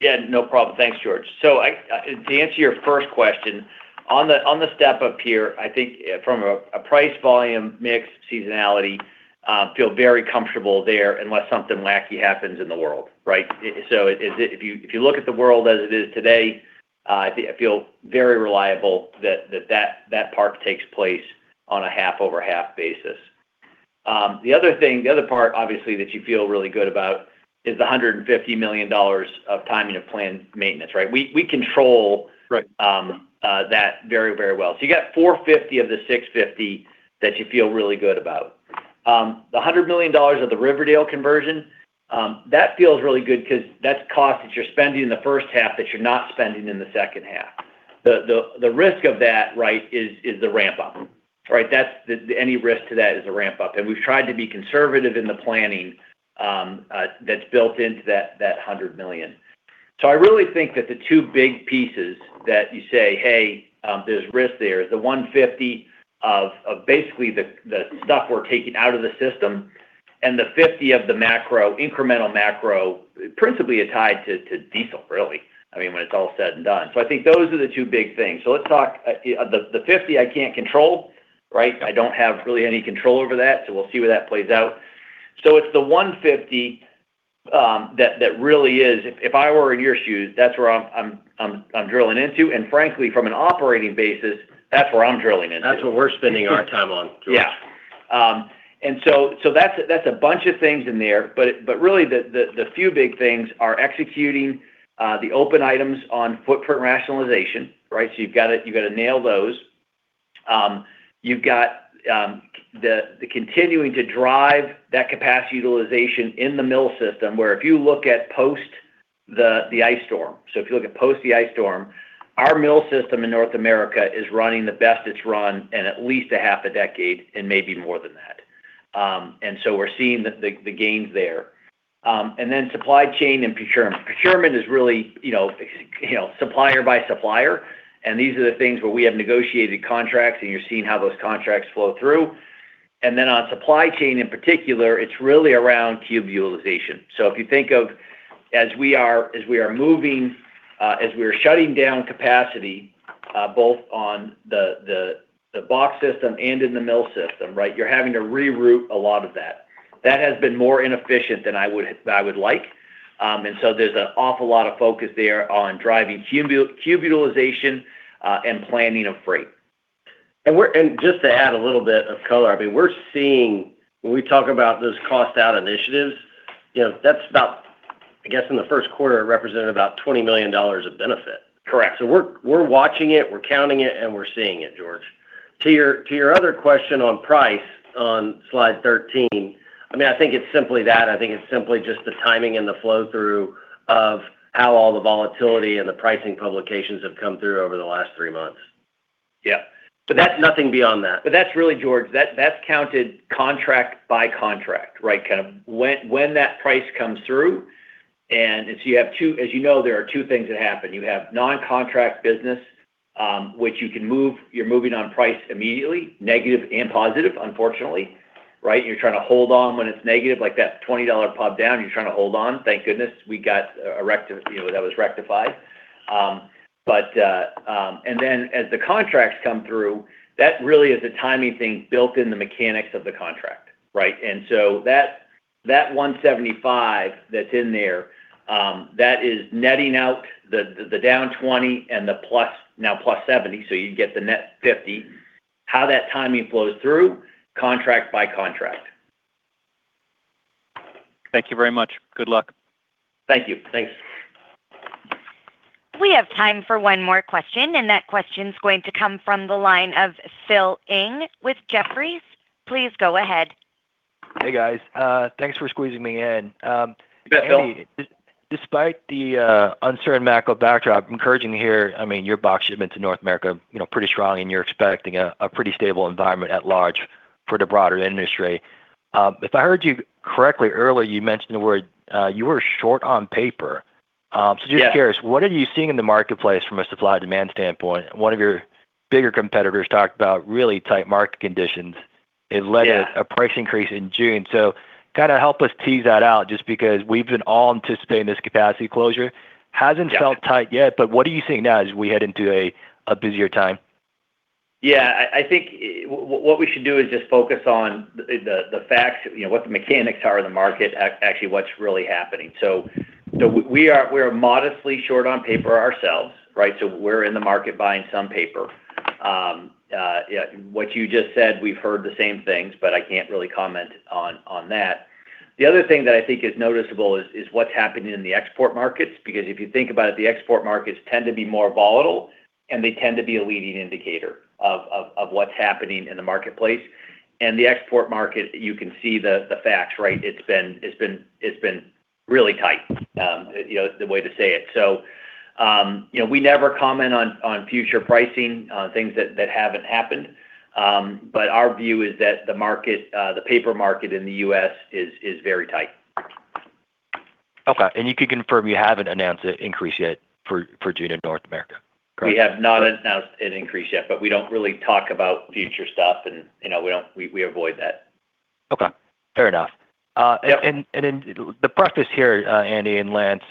C: Yeah, no problem. Thanks, George. I, to answer your first question, on the step-up here, I think, from a price volume mix seasonality, feel very comfortable there unless something wacky happens in the world, right? If you look at the world as it is today, I feel very reliable that part takes place on a half-over-half basis. The other thing, the other part obviously that you feel really good about is the $150 million of timing of planned maintenance, right? We control-
H: Right
C: That very, very well. You got $450 of the $650 that you feel really good about. The $100 million of the Riverdale conversion, that feels really good 'cause that's cost that you're spending in the first half that you're not spending in the second half. The risk of that, right, is the ramp up. Right? Any risk to that is the ramp up. We've tried to be conservative in the planning that's built into that $100 million. I really think that the two big pieces that you say, "Hey, there's risk there," is the $150 of basically the stuff we're taking out of the system and the $50 of the macro, incremental macro principally are tied to diesel, really. I mean, when it's all said and done. I think those are the two big things. Let's talk, the $50 I can't control, right? I don't have really any control over that, so we'll see where that plays out. It's the $150 that really is, if I were in your shoes, that's where I'm drilling into. Frankly, from an operating basis, that's where I'm drilling into.
D: That's what we're spending our time on, George.
C: That's a bunch of things in there, but really the few big things are executing the open items on footprint rationalization, right? You've gotta nail those. You've got the continuing to drive that capacity utilization in the mill system, where if you look at post the ice storm. If you look at post the ice storm, our mill system in North America is running the best it's run in at least a half a decade, and maybe more than that. We're seeing the gains there. Supply chain and procurement. Procurement is really, you know, supplier by supplier. These are the things where we have negotiated contracts and you're seeing how those contracts flow through. On supply chain in particular, it's really around cube utilization. If you think of as we are moving, as we are shutting down capacity, both on the box system and in the mill system, right? You're having to reroute a lot of that. That has been more inefficient than I would like. There's an awful lot of focus there on driving cube utilization and planning of freight.
D: Just to add a little bit of color, I mean, we're seeing when we talk about those cost out initiatives, you know, that's about, I guess in the first quarter, it represented about $20 million of benefit.
C: Correct.
D: We're watching it, we're counting it, and we're seeing it, George. To your other question on price on slide 13, I mean, I think it's simply that. I think it's simply just the timing and the flow through of how all the volatility and the pricing publications have come through over the last three months.
C: Yeah.
D: Nothing beyond that.
C: That's really, George, that's counted contract by contract, right? Kind of when that price comes through. You have two. As you know, there are two things that happen. You have non-contract business, which you can move. You're moving on price immediately, negative and positive, unfortunately, right? You're trying to hold on when it's negative, like that $20 pop down, you're trying to hold on. Thank goodness we got, you know, that was rectified. As the contracts come through, that really is a timing thing built in the mechanics of the contract, right? That $175 that's in there, that is netting out the down $20 and the plus, now plus $70, so you get the net $50. How that timing flows through, contract by contract.
H: Thank you very much. Good luck.
C: Thank you.
D: Thanks.
A: We have time for one more question, and that question's going to come from the line of Philip Ng with Jefferies. Please go ahead.
I: Hey, guys. Thanks for squeezing me in.
C: You bet, Philip.
I: Andy, despite the uncertain macro backdrop, encouraging to hear, I mean, your box shipment to North America, you know, pretty strong and you're expecting a pretty stable environment at large for the broader industry. If I heard you correctly earlier, you mentioned the word, you were short on paper. So just curious.
C: Yeah
I: What are you seeing in the marketplace from a supply demand standpoint? One of your bigger competitors talked about really tight market conditions.
C: Yeah
I: A price increase in June. kind of help us tease that out, just because we've been all anticipating this capacity closure. Hasn't felt tight yet, but what are you seeing now as we head into a busier time?
C: Yeah. I think what we should do is just focus on the facts, you know, what the mechanics are in the market, actually what's really happening. We are, we're modestly short on paper ourselves, right? We're in the market buying some paper. Yeah, what you just said, we've heard the same things, but I can't really comment on that. The other thing that I think is noticeable is what's happening in the export markets, because if you think about it, the export markets tend to be more volatile and they tend to be a leading indicator of what's happening in the marketplace. The export market, you can see the facts, right? It's been really tight, you know, the way to say it. You know, we never comment on future pricing, on things that haven't happened. Our view is that the market, the paper market in the U.S. is very tight.
I: Okay. You can confirm you haven't announced an increase yet for June in North America? Correct?
C: We have not announced an increase yet, but we don't really talk about future stuff and, you know, we don't, we avoid that.
I: Okay. Fair enough.
C: Yep
I: In the preface here, Andy and Lance,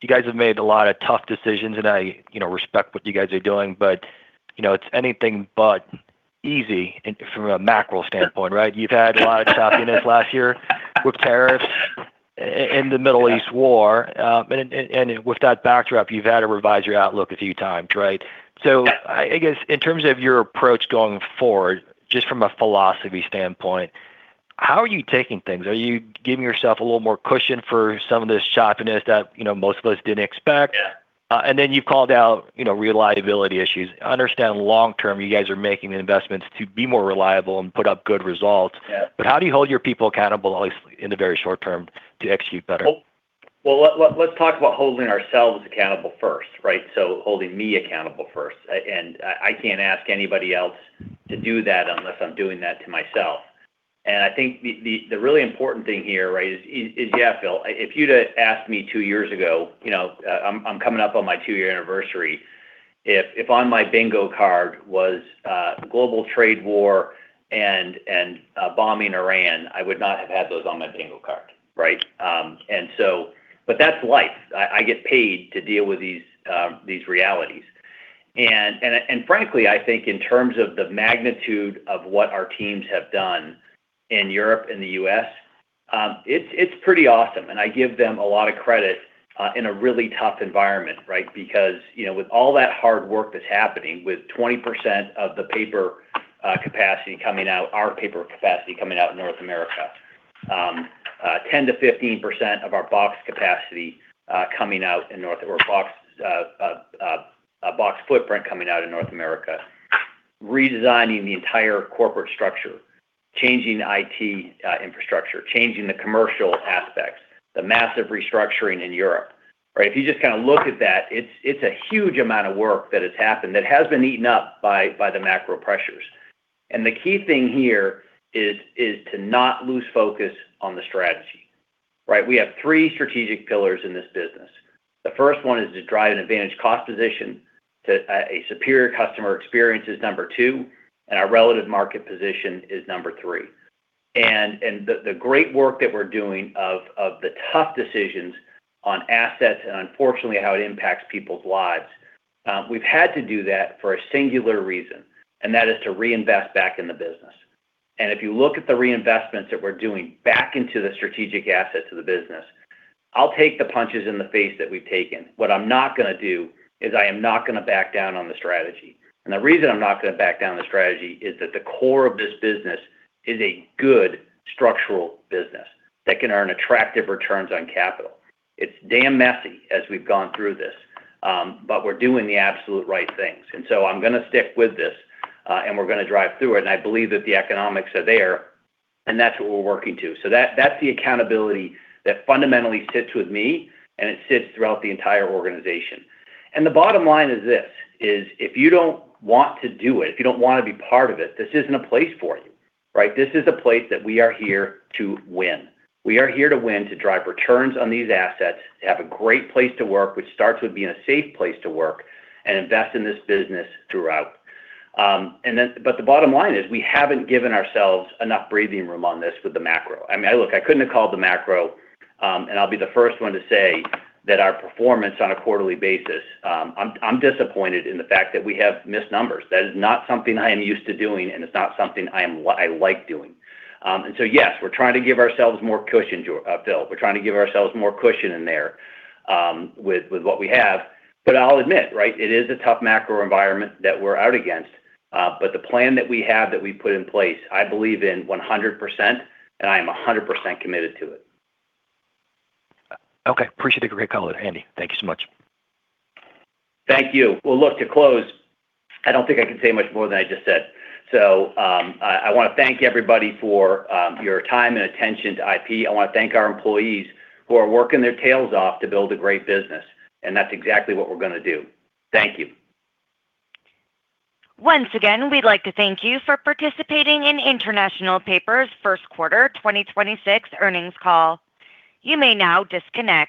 I: you guys have made a lot of tough decisions and I, you know, respect what you guys are doing. You know, it's anything but easy and from a macro standpoint, right? You've had a lot of choppiness last year with tariffs in the Middle East war. And with that backdrop, you've had to revise your outlook a few times, right?
C: Yeah.
I: I guess in terms of your approach going forward, just from a philosophy standpoint, how are you taking things? Are you giving yourself a little more cushion for some of this choppiness that, you know, most of us didn't expect?
C: Yeah.
I: You've called out, you know, reliability issues. I understand long term, you guys are making the investments to be more reliable and put up good results.
C: Yeah.
I: How do you hold your people accountable, obviously in the very short term, to execute better?
C: Well, let's talk about holding ourselves accountable first, right? Holding me accountable first. I can't ask anybody else to do that unless I'm doing that to myself. I think the really important thing here, right, is, yeah, Philip, if you'd have asked me two years ago, you know, I'm coming up on my two-year anniversary. If on my bingo card was, global trade war and, bombing Iran, I would not have had those on my bingo card, right? That's life. I get paid to deal with these realities. Frankly, I think in terms of the magnitude of what our teams have done in Europe and the U.S., it's pretty awesome and I give them a lot of credit, in a really tough environment, right? You know, with all that hard work that's happening, with 20% of the paper capacity coming out, our paper capacity coming out of North America, 10%-15% of our box capacity coming out or box footprint coming out in North America, redesigning the entire corporate structure, changing IT infrastructure, changing the commercial aspects, the massive restructuring in Europe. If you just kind of look at that, it's a huge amount of work that has happened that has been eaten up by the macro pressures. The key thing here is to not lose focus on the strategy. We have three strategic pillars in this business. The first one is to drive an advantage cost position to a superior customer experience is number two, and our relative market position is number three. The great work that we're doing of the tough decisions on assets and unfortunately how it impacts people's lives, we've had to do that for a singular reason, and that is to reinvest back in the business. If you look at the reinvestments that we're doing back into the strategic assets of the business, I'll take the punches in the face that we've taken. What I'm not gonna do is I am not gonna back down on the strategy. The reason I'm not gonna back down the strategy is that the core of this business is a good structural business that can earn attractive returns on capital. It's damn messy as we've gone through this. We're doing the absolute right things. I'm gonna stick with this. We're gonna drive through it. I believe that the economics are there. That's what we're working to. That, that's the accountability that fundamentally sits with me and it sits throughout the entire organization. The bottom line is this, is if you don't want to do it, if you don't wanna be part of it, this isn't a place for you. Right. This is a place that we are here to win. We are here to win, to drive returns on these assets, to have a great place to work, which starts with being a safe place to work and invest in this business throughout. The bottom line is we haven't given ourselves enough breathing room on this with the macro. I mean, look, I couldn't have called the macro, and I'll be the first one to say that our performance on a quarterly basis, I'm disappointed in the fact that we have missed numbers. That is not something I am used to doing, and it's not something I like doing. Yes, we're trying to give ourselves more cushion to build. We're trying to give ourselves more cushion in there, with what we have. I'll admit, right, it is a tough macro environment that we're out against. The plan that we have that we put in place, I believe in 100% and I'm 100% committed to it.
I: Okay. Appreciate the great color, Andy. Thank you so much.
C: Thank you. Well, look, to close, I don't think I can say much more than I just said. I wanna thank everybody for your time and attention to IP. I wanna thank our employees who are working their tails off to build a great business, and that's exactly what we're gonna do. Thank you.
A: Once again, we'd like to thank you for participating in International Paper's first quarter 2026 earnings call. You may now disconnect.